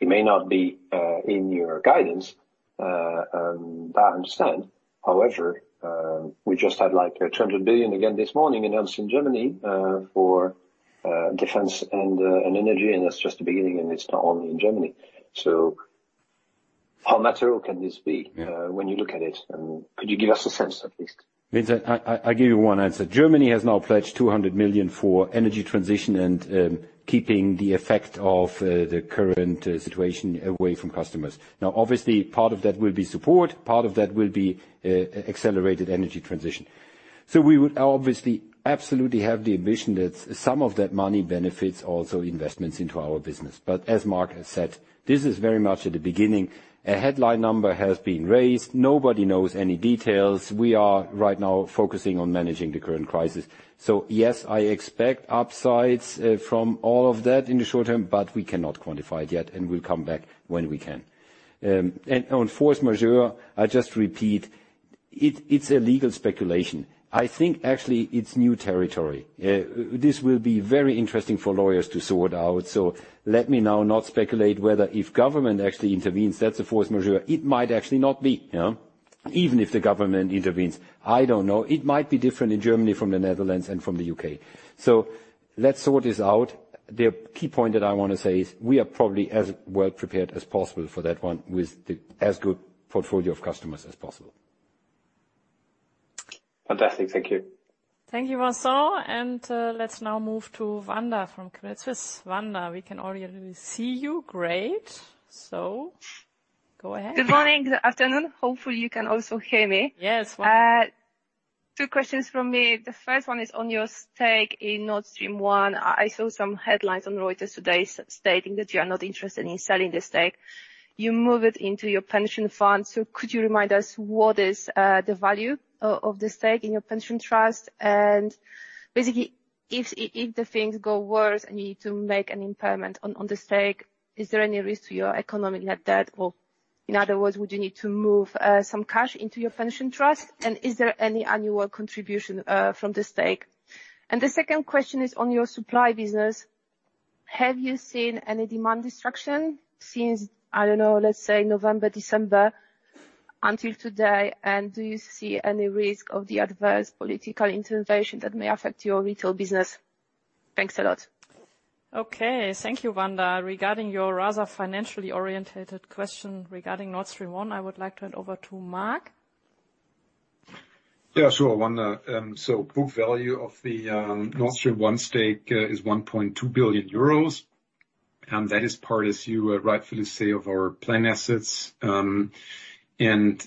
It may not be in your guidance, and I understand. However, we just had like 100 billion again this morning announced in Germany for defense and energy, and that's just the beginning, and it's not only in Germany. How material can this be, when you look at it? Could you give us a sense, at least? Vincent, I give you one answer. Germany has now pledged 200 million for energy transition and keeping the effect of the current situation away from customers. Now, obviously, part of that will be support, part of that will be accelerated energy transition. We would obviously absolutely have the ambition that some of that money benefits also investments into our business. But as Marc has said, this is very much at the beginning. A headline number has been raised. Nobody knows any details. We are right now focusing on managing the current crisis. Yes, I expect upsides from all of that in the short term, but we cannot quantify it yet and we'll come back when we can. On force majeure, I just repeat, it's a legal speculation. I think actually it's new territory. This will be very interesting for lawyers to sort out. Let me now not speculate whether if government actually intervenes, that's a force majeure. It might actually not be, you know, even if the government intervenes. I don't know. It might be different in Germany from the Netherlands and from the U.K. Let's sort this out. The key point that I wanna say is we are probably as well prepared as possible for that one with the as good portfolio of customers as possible. Fantastic. Thank you. Thank you, Vincent. Let's now move to Wanda from Credit Suisse. Wanda, we can already see you. Great. Go ahead. Good morning, afternoon. Hopefully, you can also hear me. Yes. Welcome. Two questions from me. The first one is on your stake in Nord Stream 1. I saw some headlines on Reuters today stating that you are not interested in selling the stake. You move it into your pension fund. Could you remind us what is the value of the stake in your pension trust? And basically, if things go worse and you need to make an impairment on the stake, is there any risk to your economic net debt? Or in other words, would you need to move some cash into your pension trust? And is there any annual contribution from the stake? And the second question is on your supply business. Have you seen any demand destruction since, I don't know, let's say November, December, until today? Do you see any risk of the adverse political intervention that may affect your retail business? Thanks a lot. Okay. Thank you, Wanda. Regarding your rather financially oriented question regarding Nord Stream 1, I would like to hand over to Marc. Yeah, sure, Wanda. So book value of the Nord Stream 1 stake is 1.2 billion euros, and that is part, as you rightfully say, of our plan assets, and any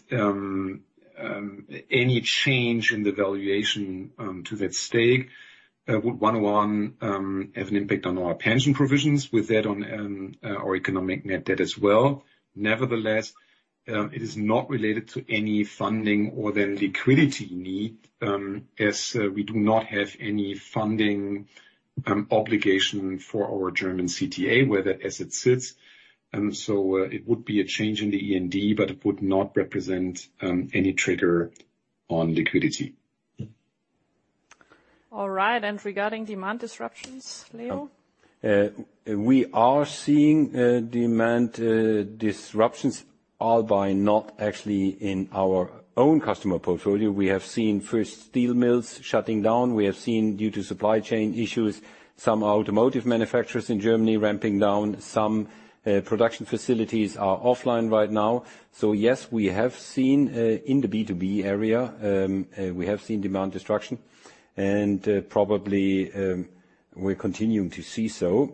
change in the valuation to that stake would one-to-one have an impact on our pension provisions. With that on our economic net debt as well. Nevertheless, it is not related to any funding or the liquidity need, as we do not have any funding obligation for our German CTA where that asset sits. It would be a change in the EMD, but it would not represent any trigger on liquidity. All right. Regarding demand disruptions, Leo? We are seeing demand disruptions, albeit not actually in our own customer portfolio. We have seen first steel mills shutting down. We have seen, due to supply chain issues, some automotive manufacturers in Germany ramping down. Some production facilities are offline right now. Yes, we have seen in the B2B area demand destruction, and probably we're continuing to see so.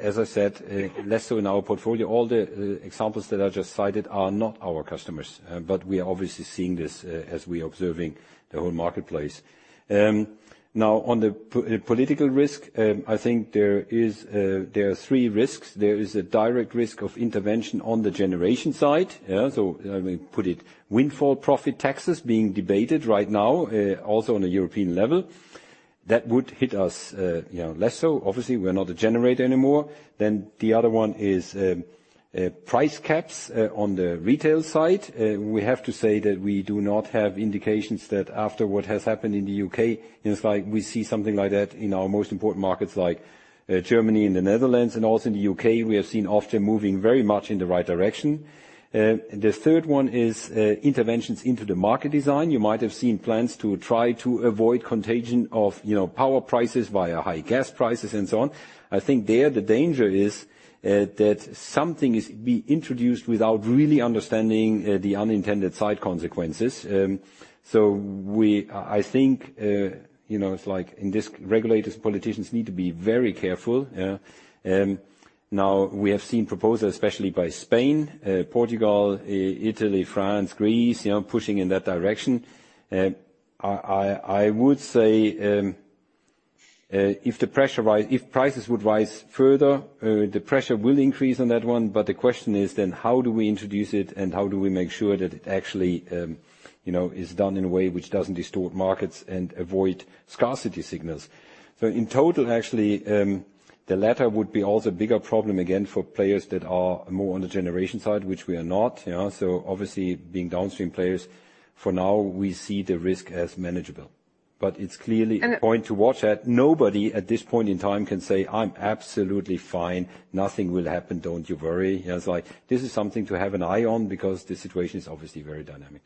As I said, less so in our portfolio. All the examples that I just cited are not our customers. We are obviously seeing this as we're observing the whole marketplace. Now on the political risk, I think there are three risks. There is a direct risk of intervention on the generation side. Yeah, so let me put it, windfall profit taxes being debated right now, also on a European level. That would hit us, you know, less so. Obviously, we're not a generator anymore. The other one is, price caps on the retail side. We have to say that we do not have indications that after what has happened in the U.K., it's like we see something like that in our most important markets like, Germany and the Netherlands. Also in the U.K., we have seen Ofgem moving very much in the right direction. The third one is, interventions into the market design. You might have seen plans to try to avoid contagion of, you know, power prices via high gas prices and so on. I think there the danger is that something is being introduced without really understanding the unintended side consequences. You know, it's like these regulators, politicians need to be very careful, yeah. Now we have seen proposals, especially by Spain, Portugal, Italy, France, Greece, you know, pushing in that direction. I would say, if the pressure rise, if prices would rise further, the pressure will increase on that one, but the question is then how do we introduce it and how do we make sure that it actually you know is done in a way which doesn't distort markets and avoid scarcity signals? In total, actually, the latter would be also a bigger problem again for players that are more on the generation side, which we are not, you know. Obviously being downstream players, for now we see the risk as manageable. It's clearly a point to watch that nobody at this point in time can say, "I'm absolutely fine. Nothing will happen. Don't you worry." It's like, this is something to have an eye on because the situation is obviously very dynamic.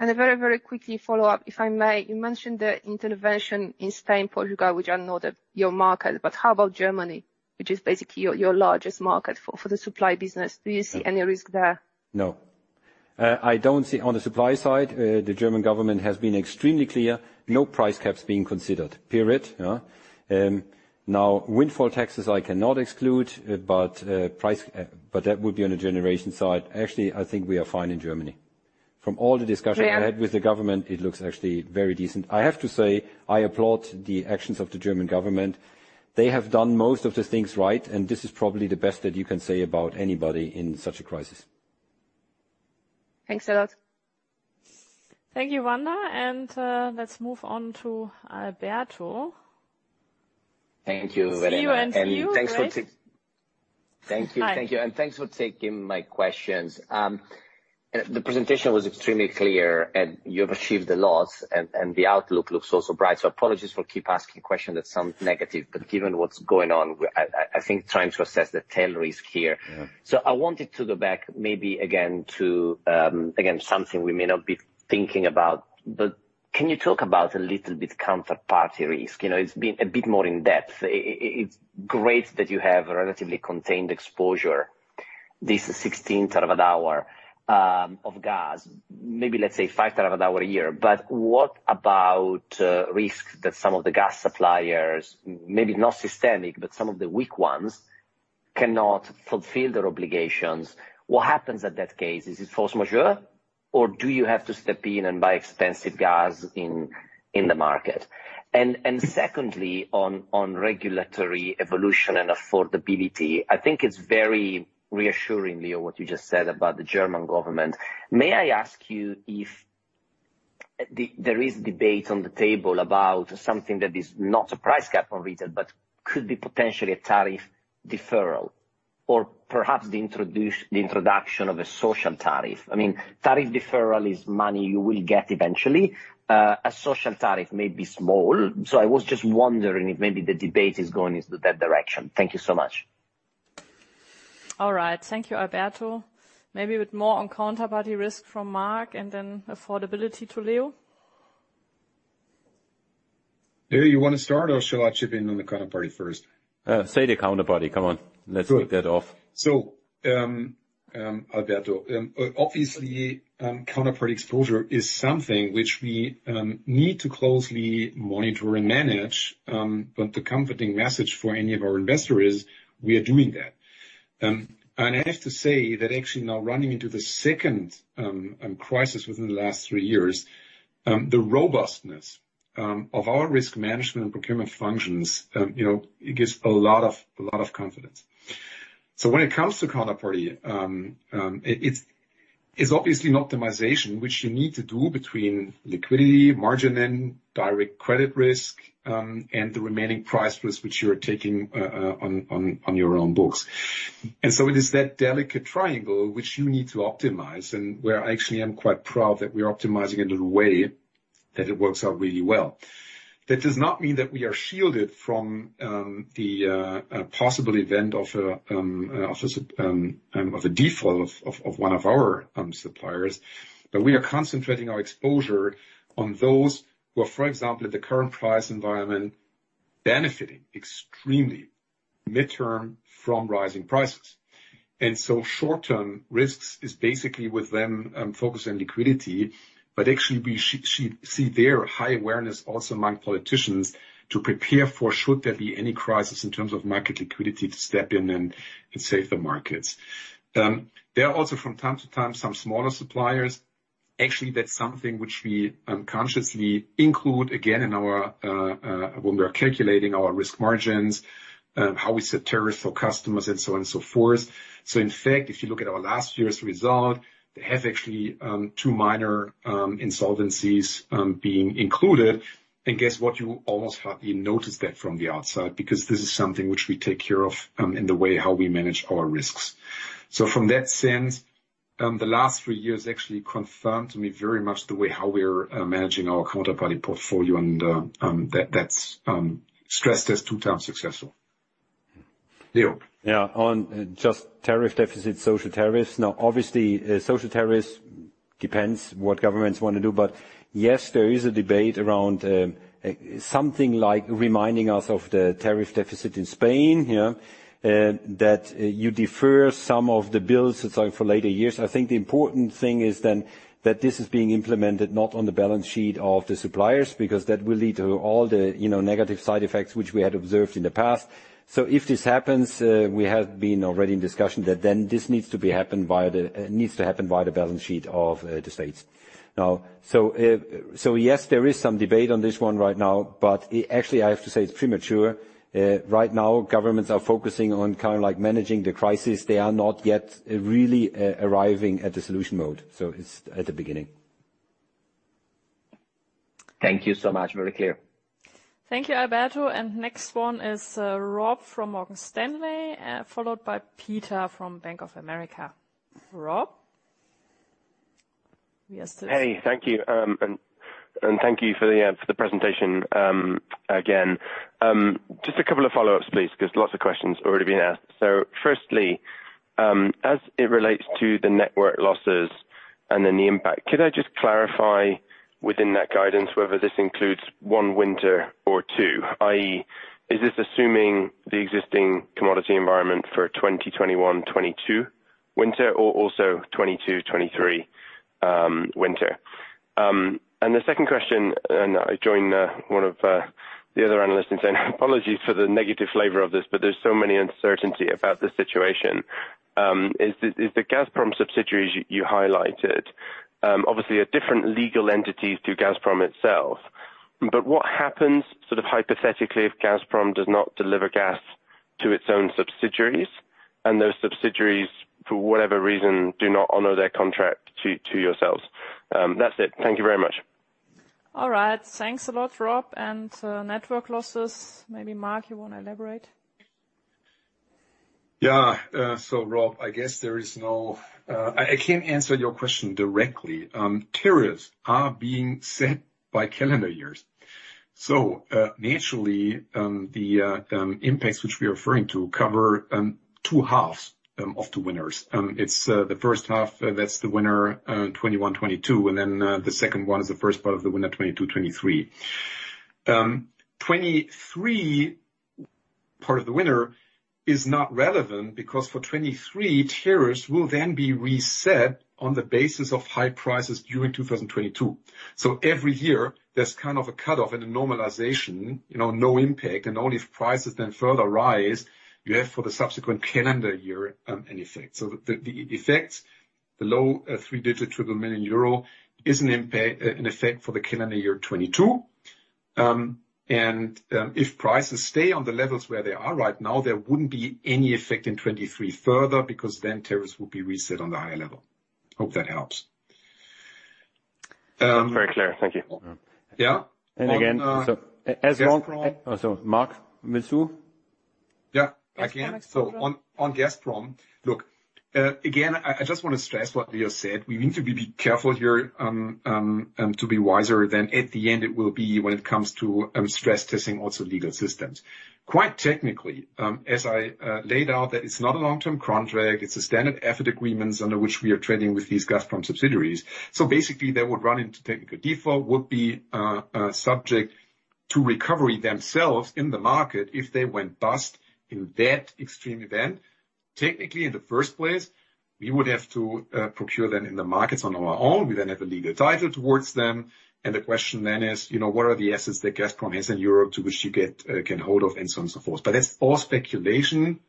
A very, very quickly follow-up, if I may. You mentioned the intervention in Spain, Portugal, which are not your market, but how about Germany, which is basically your largest market for the supply business? Do you see any risk there? No, I don't see on the supply side, the German government has been extremely clear. No price caps being considered, period. Now, windfall taxes, I cannot exclude, but that would be on the generation side. Actually, I think we are fine in Germany. From all the discussions I had with the government, it looks actually very decent. I have to say, I applaud the actions of the German government. They have done most of the things right, and this is probably the best that you can say about anybody in such a crisis. Thanks a lot. Thank you, Wanda. Let's move on to Alberto. Thank you very much. Its you next. Thank you. Hi. Thank you. Thanks for taking my questions. The presentation was extremely clear, and you have achieved a lot, and the outlook looks also bright. Apologies for keeping asking questions that sound negative, but given what's going on, I think trying to assess the tail risk here. I wanted to go back maybe again to something we may not be thinking about, but can you talk about a little bit counterparty risk? You know, it's been a bit more in-depth. It's great that you have a relatively contained exposure, this 1/16 of our gas, maybe let's say 1/5 of our gas a year. But what about risk that some of the gas suppliers, maybe not systemic, but some of the weak ones cannot fulfill their obligations? What happens in that case? Is it force majeure, or do you have to step in and buy expensive gas in the market? Secondly, on regulatory evolution and affordability, I think it's very reassuring, Leo, what you just said about the German government. May I ask you if there is debate on the table about something that is not a price cap on retail, but could be potentially a tariff deferral or perhaps the introduction of a social tariff? I mean, tariff deferral is money you will get eventually. A social tariff may be small. I was just wondering if maybe the debate is going into that direction. Thank you so much. All right. Thank you, Alberto. Maybe with more on counterparty risk from Marc and then affordability to Leo. Leo, you wanna start or shall I chip in on the counterparty first? Say the counterparty. Come on. Good. Let's get off. Alberto, obviously, counterparty exposure is something which we need to closely monitor and manage, but the comforting message for any of our investor is we are doing that. I have to say that actually now running into the second crisis within the last three years, the robustness of our risk management and procurement functions, you know, it gives a lot of confidence. When it comes to counterparty, it's obviously an optimization which you need to do between liquidity, margin, and direct credit risk, and the remaining price risk which you're taking on your own books. It is that delicate triangle which you need to optimize, and where I actually am quite proud that we are optimizing it in a way that it works out really well. That does not mean that we are shielded from the possible event of a default of one of our suppliers, but we are concentrating our exposure on those who are, for example, in the current price environment, benefiting extremely midterm from rising prices. Short-term risks is basically with them focused on liquidity, but actually we see their high awareness also among politicians to prepare for should there be any crisis in terms of market liquidity to step in and save the markets. There are also from time to time, some smaller suppliers. Actually, that's something which we consciously include, again, when we are calculating our risk margins, how we set tariffs for customers and so on and so forth. In fact, if you look at our last year's results, they have actually two minor insolvencies being included. Guess what? You almost hardly notice that from the outside, because this is something which we take care of in the way how we manage our risks. From that sense, the last three years actually confirmed to me very much the way how we're managing our counterparty portfolio, and that's proved to be successful. Yeah. On just tariff deficit, social tariffs. Obviously, social tariffs depend what governments wanna do. Yes, there is a debate around something like reminding us of the tariff deficit in Spain, yeah, that you defer some of the bills, say, for later years. I think the important thing is then that this is being implemented not on the balance sheet of the suppliers, because that will lead to all the, you know, negative side effects which we had observed in the past. If this happens, we have been already in discussion that then this needs to happen via the balance sheet of the states. Yes, there is some debate on this one right now, but actually, I have to say it's premature. Right now, governments are focusing on kind of like managing the crisis. They are not yet really arriving at the solution mode. It's at the beginning. Thank you so much. Very clear. Thank you, Alberto. Next one is, Rob from Morgan Stanley, followed by Peter from Bank of America. Rob? Yes. Hey, thank you. Thank you for the presentation again. Just a couple of follow-ups, please, because lots of questions have already been asked. Firstly, as it relates to the network losses and then the impact, could I just clarify within that guidance whether this includes one winter or two, i.e. is this assuming the existing commodity environment for 2021-2022 winter or also 2022-2023 winter? The second question, I join one of the other analysts in saying apologies for the negative flavor of this, but there's so many uncertainty about the situation. Is the Gazprom subsidiaries you highlighted obviously are different legal entities to Gazprom itself, but what happens sort of hypothetically if Gazprom does not deliver gas to its own subsidiaries and those subsidiaries, for whatever reason, do not honor their contract to yourselves? That's it. Thank you very much. All right. Thanks a lot, Rob. Network losses, maybe Marc, you wanna elaborate? Yeah. Rob, I guess I can't answer your question directly. Tariffs are being set by calendar years. Naturally, the impacts which we are referring to cover two halves of the winters. It's the first half, that's the winter 2021-2022, and then the second one is the first part of the winter 2022-2023. 2023, part of the winter is not relevant because for 2023, tariffs will then be reset on the basis of high prices during 2022. Every year, there's kind of a cutoff and a normalization, you know, no impact, and only if prices then further rise, you have for the subsequent calendar year an effect. The effects, the low three-digit million EUR is an impact, an effect for the calendar year 2022, and if prices stay on the levels where they are right now, there wouldn't be any effect in 2023 further because then tariffs would be reset on the higher level. Hope that helps. Very clear. Thank you. Yeah. Again, so as long as. Oh, so Marc, will you? Yeah. Again. On Gazprom, look, again, I just wanna stress what Leo said. We need to be careful here, to be wiser than at the end it will be when it comes to stress-testing also legal systems. Quite technically, as I laid out, that it's not a long-term contract, it's a standard EFET agreements under which we are trading with these Gazprom subsidiaries. So basically they would run into technical default, would be subject to recovery themselves in the market if they went bust in that extreme event. Technically, in the first place, we would have to procure them in the markets on our own. We have a legal title towards them, and the question is, you know, what are the assets that Gazprom has in Europe to which you can get hold of, and so on and so forth. That's all speculation.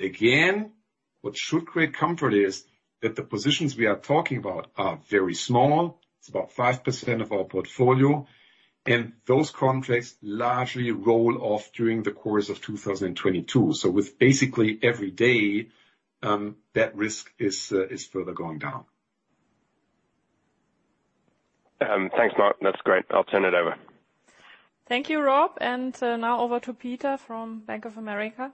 Again, what should create comfort is that the positions we are talking about are very small. It's about 5% of our portfolio, and those contracts largely roll off during the course of 2022. With basically every day, that risk is further going down. Thanks, Marc. That's great. I'll turn it over. Thank you, Rob. Now over to Peter from Bank of America.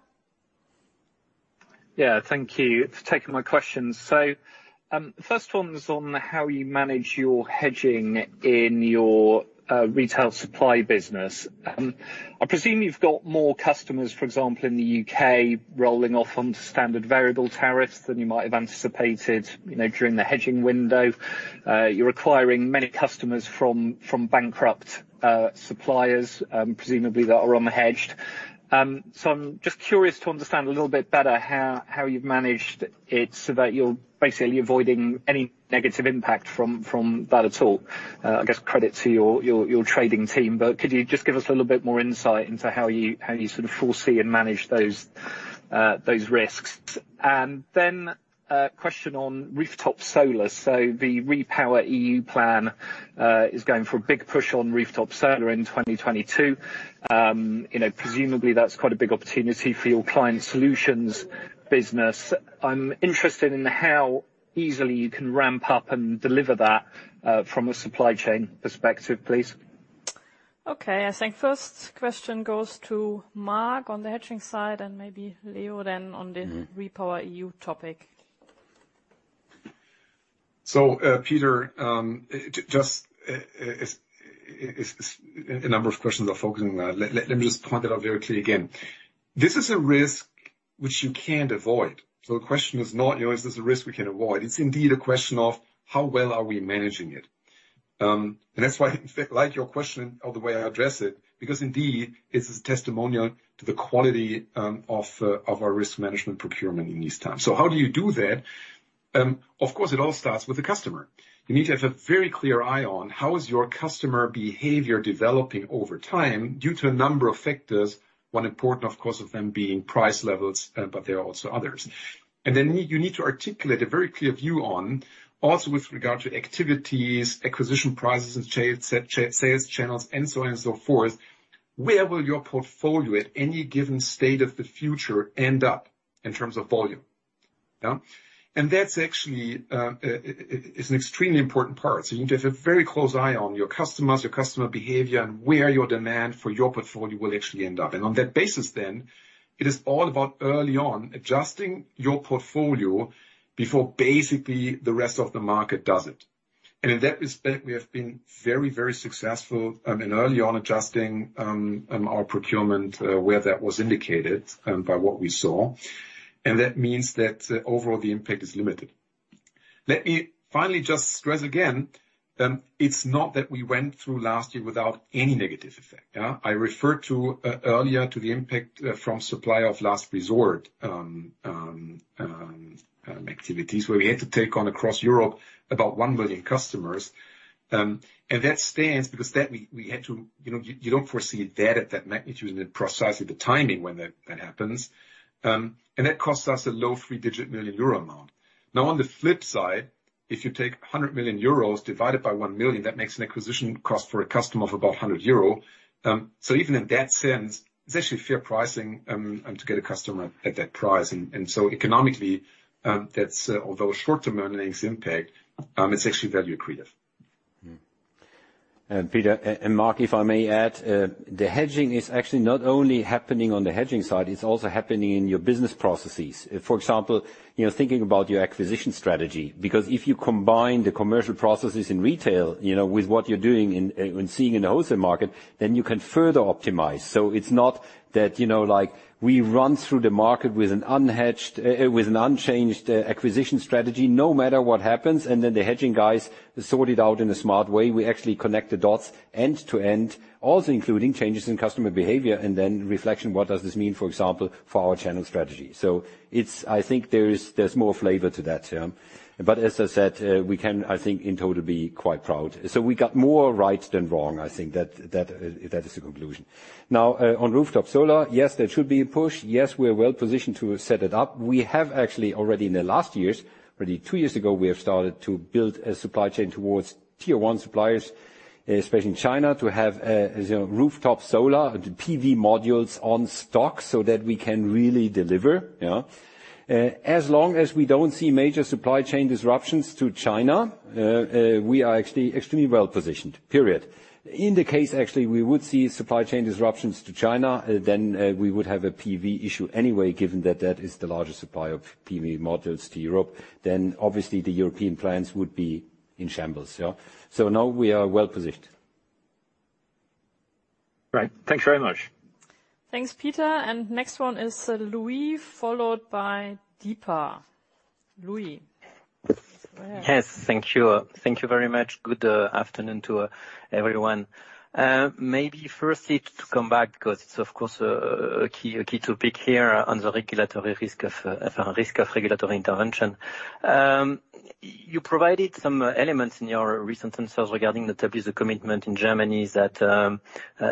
Yeah. Thank you for taking my questions. First one's on how you manage your hedging in your retail supply business. I presume you've got more customers, for example, in the U.K., rolling off onto standard variable tariffs than you might have anticipated, you know, during the hedging window. You're acquiring many customers from bankrupt suppliers, presumably that are unhedged. I'm just curious to understand a little bit better how you've managed it so that you're basically avoiding any negative impact from that at all. I guess credit to your trading team. Could you just give us a little bit more insight into how you sort of foresee and manage those risks? A question on rooftop solar. The REPowerEU plan is going for a big push on rooftop solar in 2022. You know, presumably that's quite a big opportunity for your client solutions business. I'm interested in how easily you can ramp up and deliver that from a supply chain perspective, please. Okay. I think first question goes to Marc on the hedging side and maybe Leo then on the REPowerEU topic. Peter, just it's a number of questions are focusing on that. Let me just point that out very clearly again. This is a risk which you can't avoid. The question is not, you know, is this a risk we can avoid? It's indeed a question of how well are we managing it. That's why I like your question or the way I address it, because indeed, it's a testimonial to the quality of our risk management procurement in these times. How do you do that? Of course, it all starts with the customer. You need to have a very clear eye on how is your customer behavior developing over time due to a number of factors, one important, of course, of them being price levels, but there are also others. Then you need to articulate a very clear view on, also with regard to activities, acquisition prices, sales channels, and so on and so forth, where will your portfolio at any given state of the future end up in terms of volume? Yeah. That's actually it's an extremely important part. You can keep a very close eye on your customers, your customer behavior, and where your demand for your portfolio will actually end up. On that basis then, it is all about early on adjusting your portfolio before basically the rest of the market does it. In that respect, we have been very, very successful in early on adjusting our procurement where that was indicated by what we saw. That means that overall the impact is limited. Let me finally just stress again, it's not that we went through last year without any negative effect, yeah? I referred to earlier to the impact from Supplier of Last Resort activities, where we had to take on across Europe about 1 million customers. That stands because that we had to, you know, you don't foresee that at that magnitude and precisely the timing when that happens. That cost us a low three-digit million EUR amount. Now, on the flip side, if you take 100 million euros divided by 1 million, that makes an acquisition cost for a customer of about 100 euro. Even in that sense, it's actually fair pricing to get a customer at that price. Economically, that's, although short-term earnings impact, it's actually value accretive. Peter and Marc, if I may add, the hedging is actually not only happening on the hedging side, it's also happening in your business processes. For example, you know, thinking about your acquisition strategy, because if you combine the commercial processes in retail, you know, with what you're doing in, and seeing in the wholesale market, then you can further optimize. It's not that, you know, like, we run through the market with an unhedged, with an unchanged acquisition strategy, no matter what happens, and then the hedging guys sort it out in a smart way. We actually connect the dots end to end, also including changes in customer behavior, and then reflection, what does this mean, for example, for our channel strategy? It's I think there's more flavor to that term. As I said, we can, I think, in total, be quite proud. We got more right than wrong. I think that is the conclusion. Now, on rooftop solar, yes, there should be a push. Yes, we're well-positioned to set it up. We have actually already in the last years, really two years ago, we have started to build a supply chain towards tier one suppliers, especially in China, to have, you know, rooftop solar, PV modules on stock so that we can really deliver, yeah. As long as we don't see major supply chain disruptions to China, we are actually extremely well-positioned. In the case, actually, we would see supply chain disruptions to China, then we would have a PV issue anyway, given that that is the largest supplier of PV modules to Europe. Obviously the European plants would be in shambles, yeah. Now we are well-positioned. Right. Thanks very much. Thanks, Peter. Next one is Louis, followed by Deepa. Louis, go ahead. Yes, thank you. Thank you very much. Good afternoon to everyone. Maybe firstly to come back, because it's of course a key topic here on the regulatory risk of risk of regulatory intervention. You provided some elements in your recent answers regarding the tariff commitment in Germany that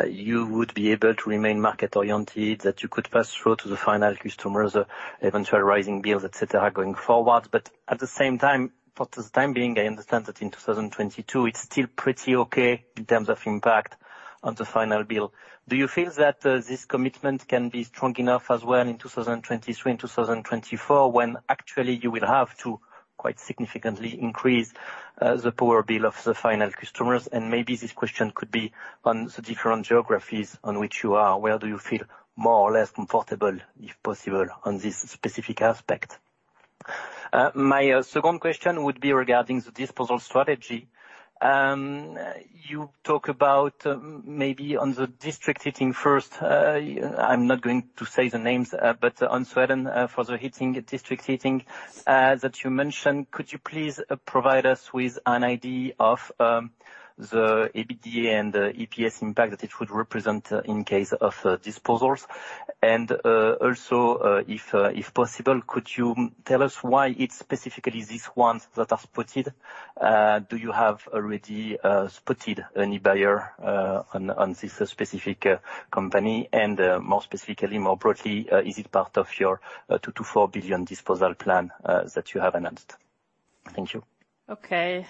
you would be able to remain market-oriented, that you could pass through to the final customers, eventual rising bills, et cetera, going forward. At the same time, for the time being, I understand that in 2022, it's still pretty okay in terms of impact on the final bill. Do you feel that this commitment can be strong enough as well in 2023 and 2024, when actually you will have to quite significantly increase the power bill of the final customers? Maybe this question could be on the different geographies on which you are. Where do you feel more or less comfortable, if possible, on this specific aspect? My second question would be regarding the disposal strategy. You talk about maybe on the district heating first. I'm not going to say the names, but on Sweden, for the heating, district heating, that you mentioned, could you please provide us with an idea of the EBITDA and the EPS impact that it would represent in case of disposals? Also, if possible, could you tell us why it's specifically these ones that are spotted? Do you have already spotted any buyer on this specific company? More specifically, more broadly, is it part of your 2 billion-4 billion disposal plan that you have announced? Thank you. Okay.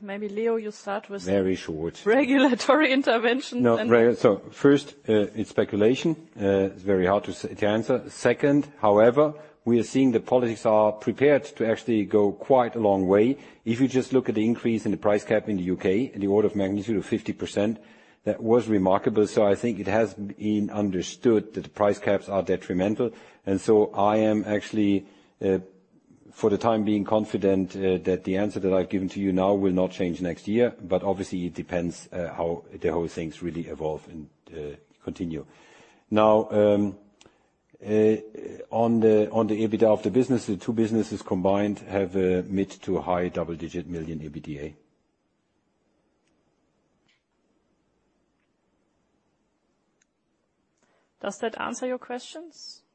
Maybe Leo, you start with- Very short. regulatory intervention. No. First, it's speculation. It's very hard to answer. Second, however, we are seeing the politicians are prepared to actually go quite a long way. If you just look at the increase in the price cap in the U.K., in the order of magnitude of 50%, that was remarkable. I think it has been understood that the price caps are detrimental. I am actually, for the time being, confident that the answer that I've given to you now will not change next year. Obviously, it depends how the whole things really evolve and continue. On the EBITDA of the business, the two businesses combined have a mid- to high-double-digit million EUR EBITDA. Does that answer your questions? Yes,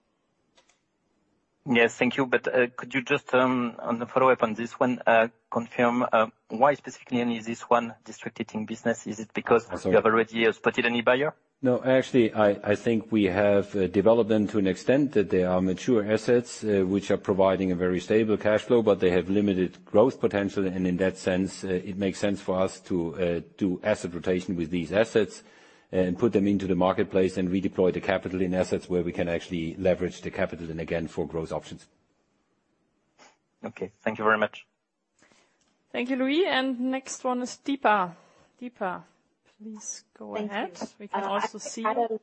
thank you. Could you just, on the follow-up on this one, confirm, why specifically only this one District Heating Business? Is it because you have already spotted any buyer? No, actually, I think we have developed them to an extent that they are mature assets, which are providing a very stable cash flow, but they have limited growth potential. In that sense, it makes sense for us to do asset rotation with these assets and put them into the marketplace and redeploy the capital in assets where we can actually leverage the capital and again for growth options. Okay, thank you very much. Thank you, Louis. Next one is Deepa. Deepa, please go ahead. Thank you. We can also see you.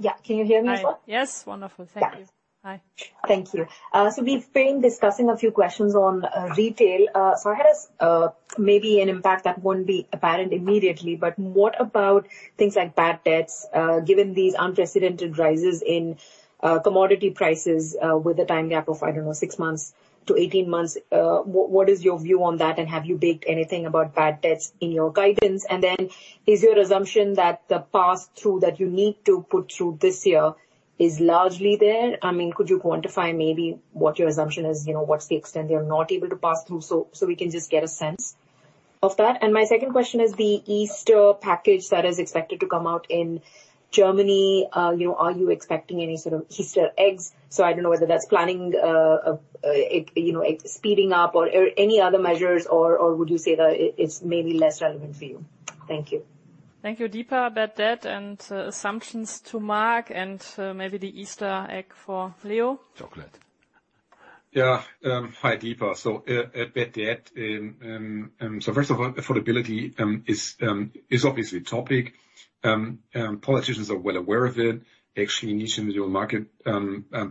Yeah, can you hear me as well? Yes. Wonderful. Thank you. Yeah. Hi. Thank you. We've been discussing a few questions on retail. I had a maybe an impact that won't be apparent immediately, but what about things like bad debts given these unprecedented rises in commodity prices with a time gap of, I don't know, six months to 18 months. What is your view on that, and have you baked anything about bad debts in your guidance? Is your assumption that the pass-through that you need to put through this year is largely there? I mean, could you quantify maybe what your assumption is, you know, what's the extent they are not able to pass through, so we can just get a sense of that. My second question is the Easter Package that is expected to come out in Germany, you know, are you expecting any sort of Easter eggs? I don't know whether that's planning, you know, it speeding up or any other measures, or would you say that it's maybe less relevant for you? Thank you. Thank you, Deepa. Bad debt and assumptions to Mark, and maybe the Easter Package for Leo. Chocolate. Yeah, hi, Deepa. Bad debt, first of all, affordability is obviously topic. Politicians are well aware of it. Actually in the German market,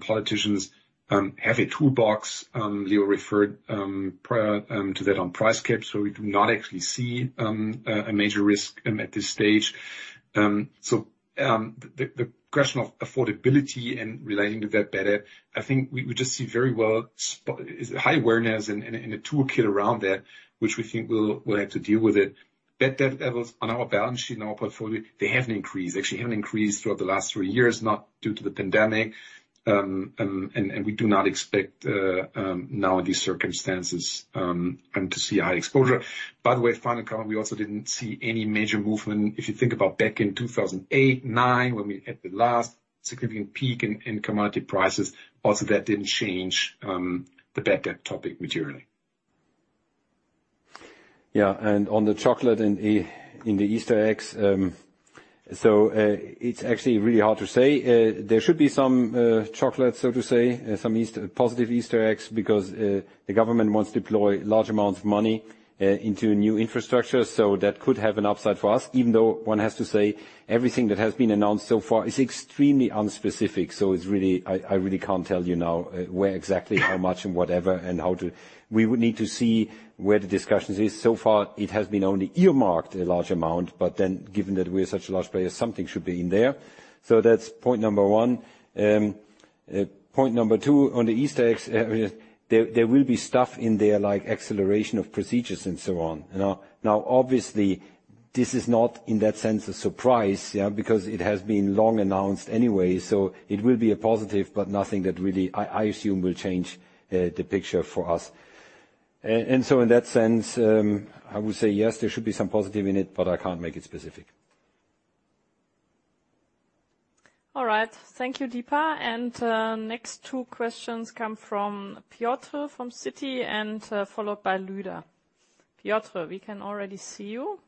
politicians have a toolbox. Leo referred to that on price caps, so we do not actually see a major risk at this stage. The question of affordability and relating to bad debt, I think we just see very widespread high awareness and a toolkit around that, which we think will have to deal with it. Bad debt levels on our balance sheet and our portfolio, they haven't increased. Actually, haven't increased throughout the last three years, not due to the pandemic, and we do not expect now in these circumstances to see high exposure. By the way, final comment, we also didn't see any major movement. If you think about back in 2008-2009, when we had the last significant peak in commodity prices, also that didn't change the bad debt topic materially. Yeah, on the chocolate and the Easter eggs, it's actually really hard to say. There should be some chocolate, so to say, some positive Easter eggs because the government wants to deploy large amounts of money into new infrastructure, so that could have an upside for us. Even though one has to say everything that has been announced so far is extremely unspecific. It's really. I really can't tell you now where exactly, how much and whatever and how to. We would need to see where the discussion is. So far, it has been only earmarked a large amount, but then given that we're such a large player, something should be in there. That's point number one. Point number two, on the Easter Package, there will be stuff in there like acceleration of procedures and so on. Now obviously, this is not in that sense a surprise, yeah, because it has been long announced anyway, so it will be a positive, but nothing that really I assume will change the picture for us. In that sense, I would say yes, there should be some positive in it, but I can't make it specific. All right. Thank you, Deepa. Next two questions come from Piotr from Citi and followed by Lueder. Piotr, we can already see you.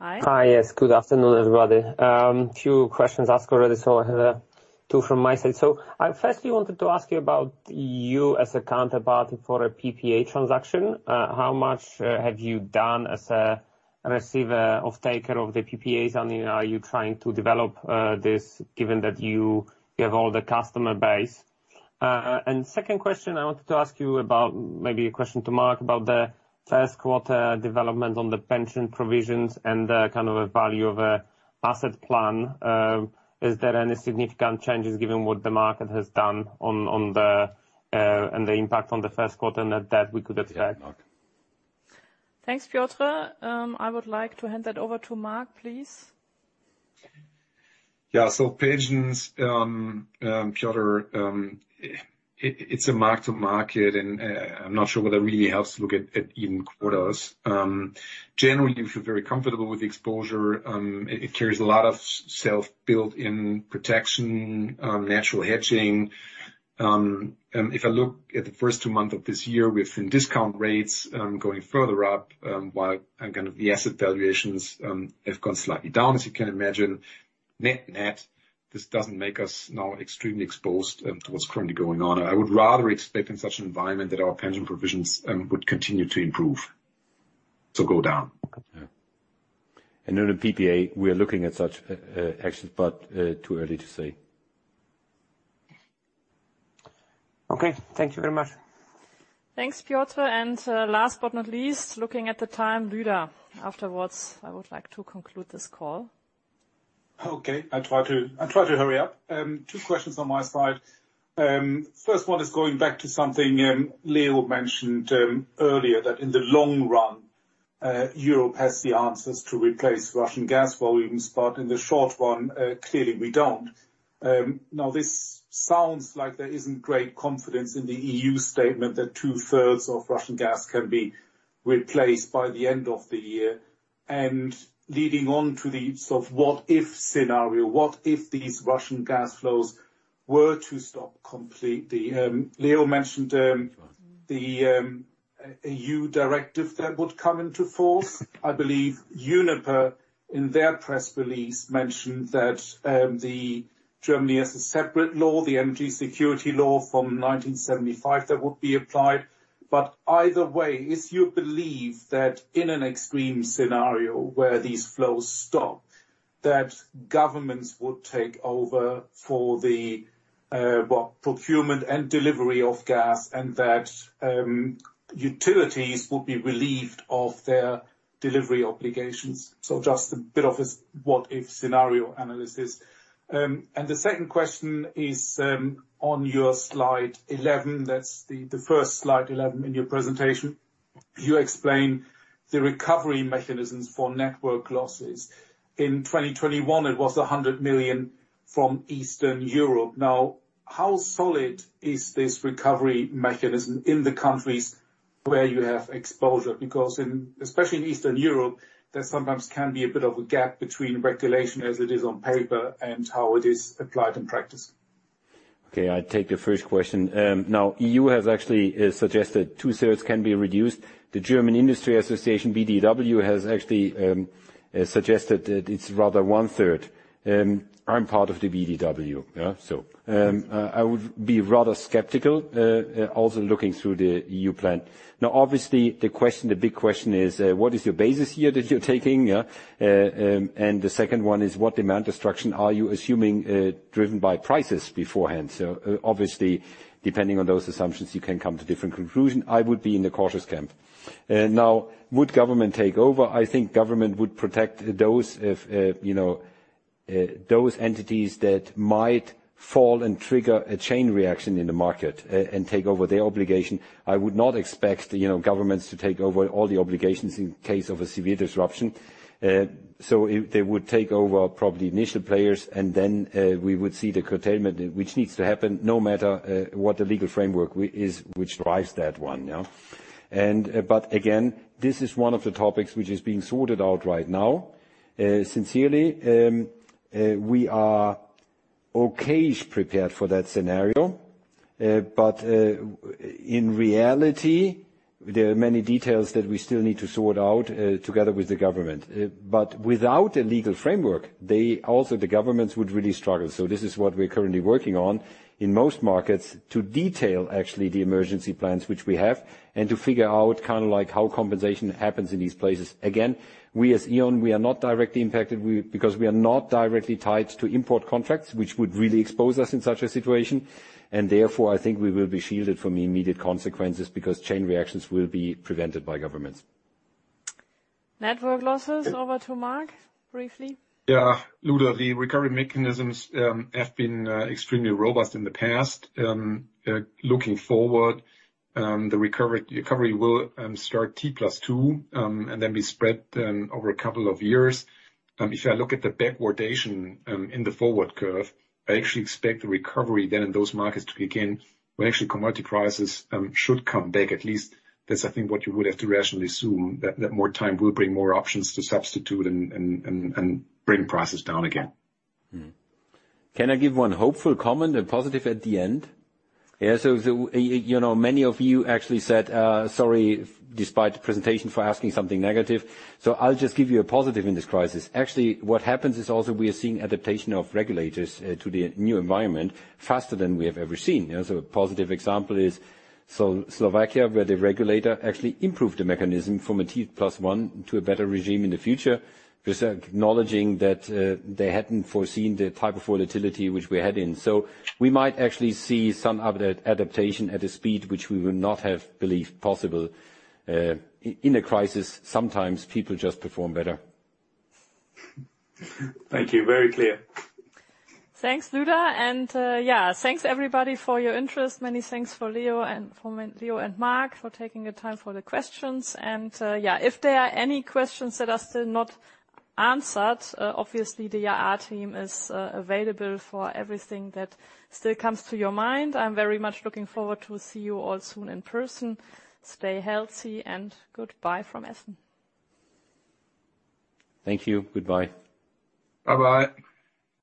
Hi. Hi, yes. Good afternoon, everybody. Few questions asked already, I have two from my side. I firstly wanted to ask you about you as a counterpart for a PPA transaction. How much have you done as a receiver or taker of the PPAs, and are you trying to develop this given that you have all the customer base? Second question I wanted to ask you about, maybe a question to Marc about the first quarter development on the pension provisions and the kind of value of an asset plan. Is there any significant changes given what the market has done and the impact on the first quarter that we could expect? Yeah. Marc. Thanks, Piotr. I would like to hand that over to Marc, please. Yeah. Pensions, Piotr, it's a mark-to-market, and I'm not sure whether it really helps to look at even quarters. Generally, we feel very comfortable with the exposure. It carries a lot of self-built-in protection, natural hedging. If I look at the first two months of this year, we've seen discount rates going further up, while again, the asset valuations have gone slightly down, as you can imagine. Net-net, this doesn't make us now extremely exposed to what's currently going on. I would rather expect in such an environment that our pension provisions would continue to improve, so go down. On the PPA, we are looking at such actions, but too early to say. Okay, thank you very much. Thanks, Piotr. Last but not least, looking at the time, Lueder. Afterwards, I would like to conclude this call. Okay, I try to hurry up. Two questions on my side. First one is going back to something Leo mentioned earlier, that in the long run Europe has the answers to replace Russian gas volumes, but in the short one clearly we don't. Now this sounds like there isn't great confidence in the EU statement that two-thirds of Russian gas can be replaced by the end of the year, and leading on to the sort of what if scenario, what if these Russian gas flows were to stop completely? Leo mentioned the An EU directive that would come into force. I believe Uniper, in their press release, mentioned that Germany has a separate law, the Energy Security Act from 1975, that would be applied. Either way, if you believe that in an extreme scenario where these flows stop, that governments would take over for the procurement and delivery of gas, and that utilities would be relieved of their delivery obligations. Just a bit of a what if scenario analysis. The second question is on your slide 11, that's the first slide 11 in your presentation. You explain the recovery mechanisms for network losses. In 2021, it was 100 million from Eastern Europe. Now, how solid is this recovery mechanism in the countries where you have exposure? Because especially in Eastern Europe, there sometimes can be a bit of a gap between regulation as it is on paper and how it is applied in practice. Okay, I take the first question. Now EU has actually suggested two-thirds can be reduced. The German Association of Energy and Water Industries, BDEW, has actually suggested that it's rather one-third. I'm part of the BDEW, yeah? I would be rather skeptical, also looking through the EU plan. Now, obviously, the question, the big question is, what is your basis here that you're taking, yeah? The second one is, what demand destruction are you assuming, driven by prices beforehand? Obviously, depending on those assumptions, you can come to different conclusion. I would be in the cautious camp. Now, would government take over? I think government would protect those if, you know, those entities that might fall and trigger a chain reaction in the market and take over their obligation. I would not expect, you know, governments to take over all the obligations in case of a severe disruption. They would take over probably initial players, and then we would see the curtailment which needs to happen no matter what the legal framework is which drives that one, yeah? Again, this is one of the topics which is being sorted out right now. Sincerely, we are okay-ish prepared for that scenario. In reality, there are many details that we still need to sort out together with the government. Without a legal framework, they also, the governments would really struggle. This is what we're currently working on in most markets to detail actually the emergency plans which we have and to figure out kinda like how compensation happens in these places. Again, we as E.ON are not directly impacted, because we are not directly tied to import contracts, which would really expose us in such a situation. Therefore, I think we will be shielded from immediate consequences because chain reactions will be prevented by governments. Network losses, over to Marc, briefly. Yeah. Lueder, the recovery mechanisms have been extremely robust in the past. Looking forward, the recovery will start T+2 and then be spread over a couple of years. If I look at the backwardation in the forward curve, I actually expect the recovery then in those markets to begin when actually commodity prices should come back. At least that's, I think, what you would have to rationally assume, that more time will bring more options to substitute and bring prices down again. Can I give one hopeful comment and positive at the end? Yeah, the, you know, many of you actually said, sorry, despite the presentation for asking something negative. I'll just give you a positive in this crisis. Actually, what happens is also we are seeing adaptation of regulators to the new environment faster than we have ever seen. You know, a positive example is Slovakia, where the regulator actually improved the mechanism from a T+1 to a better regime in the future, just acknowledging that they hadn't foreseen the type of volatility which we had in. We might actually see some adaptation at a speed which we would not have believed possible. In a crisis, sometimes people just perform better. Thank you. Very clear. Thanks, Lueder. Thanks, everybody, for your interest. Many thanks for Leo and Marc for taking the time for the questions. If there are any questions that are still not answered, obviously the IR team is available for everything that still comes to your mind. I'm very much looking forward to see you all soon in person. Stay healthy, and goodbye from Essen. Thank you. Goodbye. Bye-bye.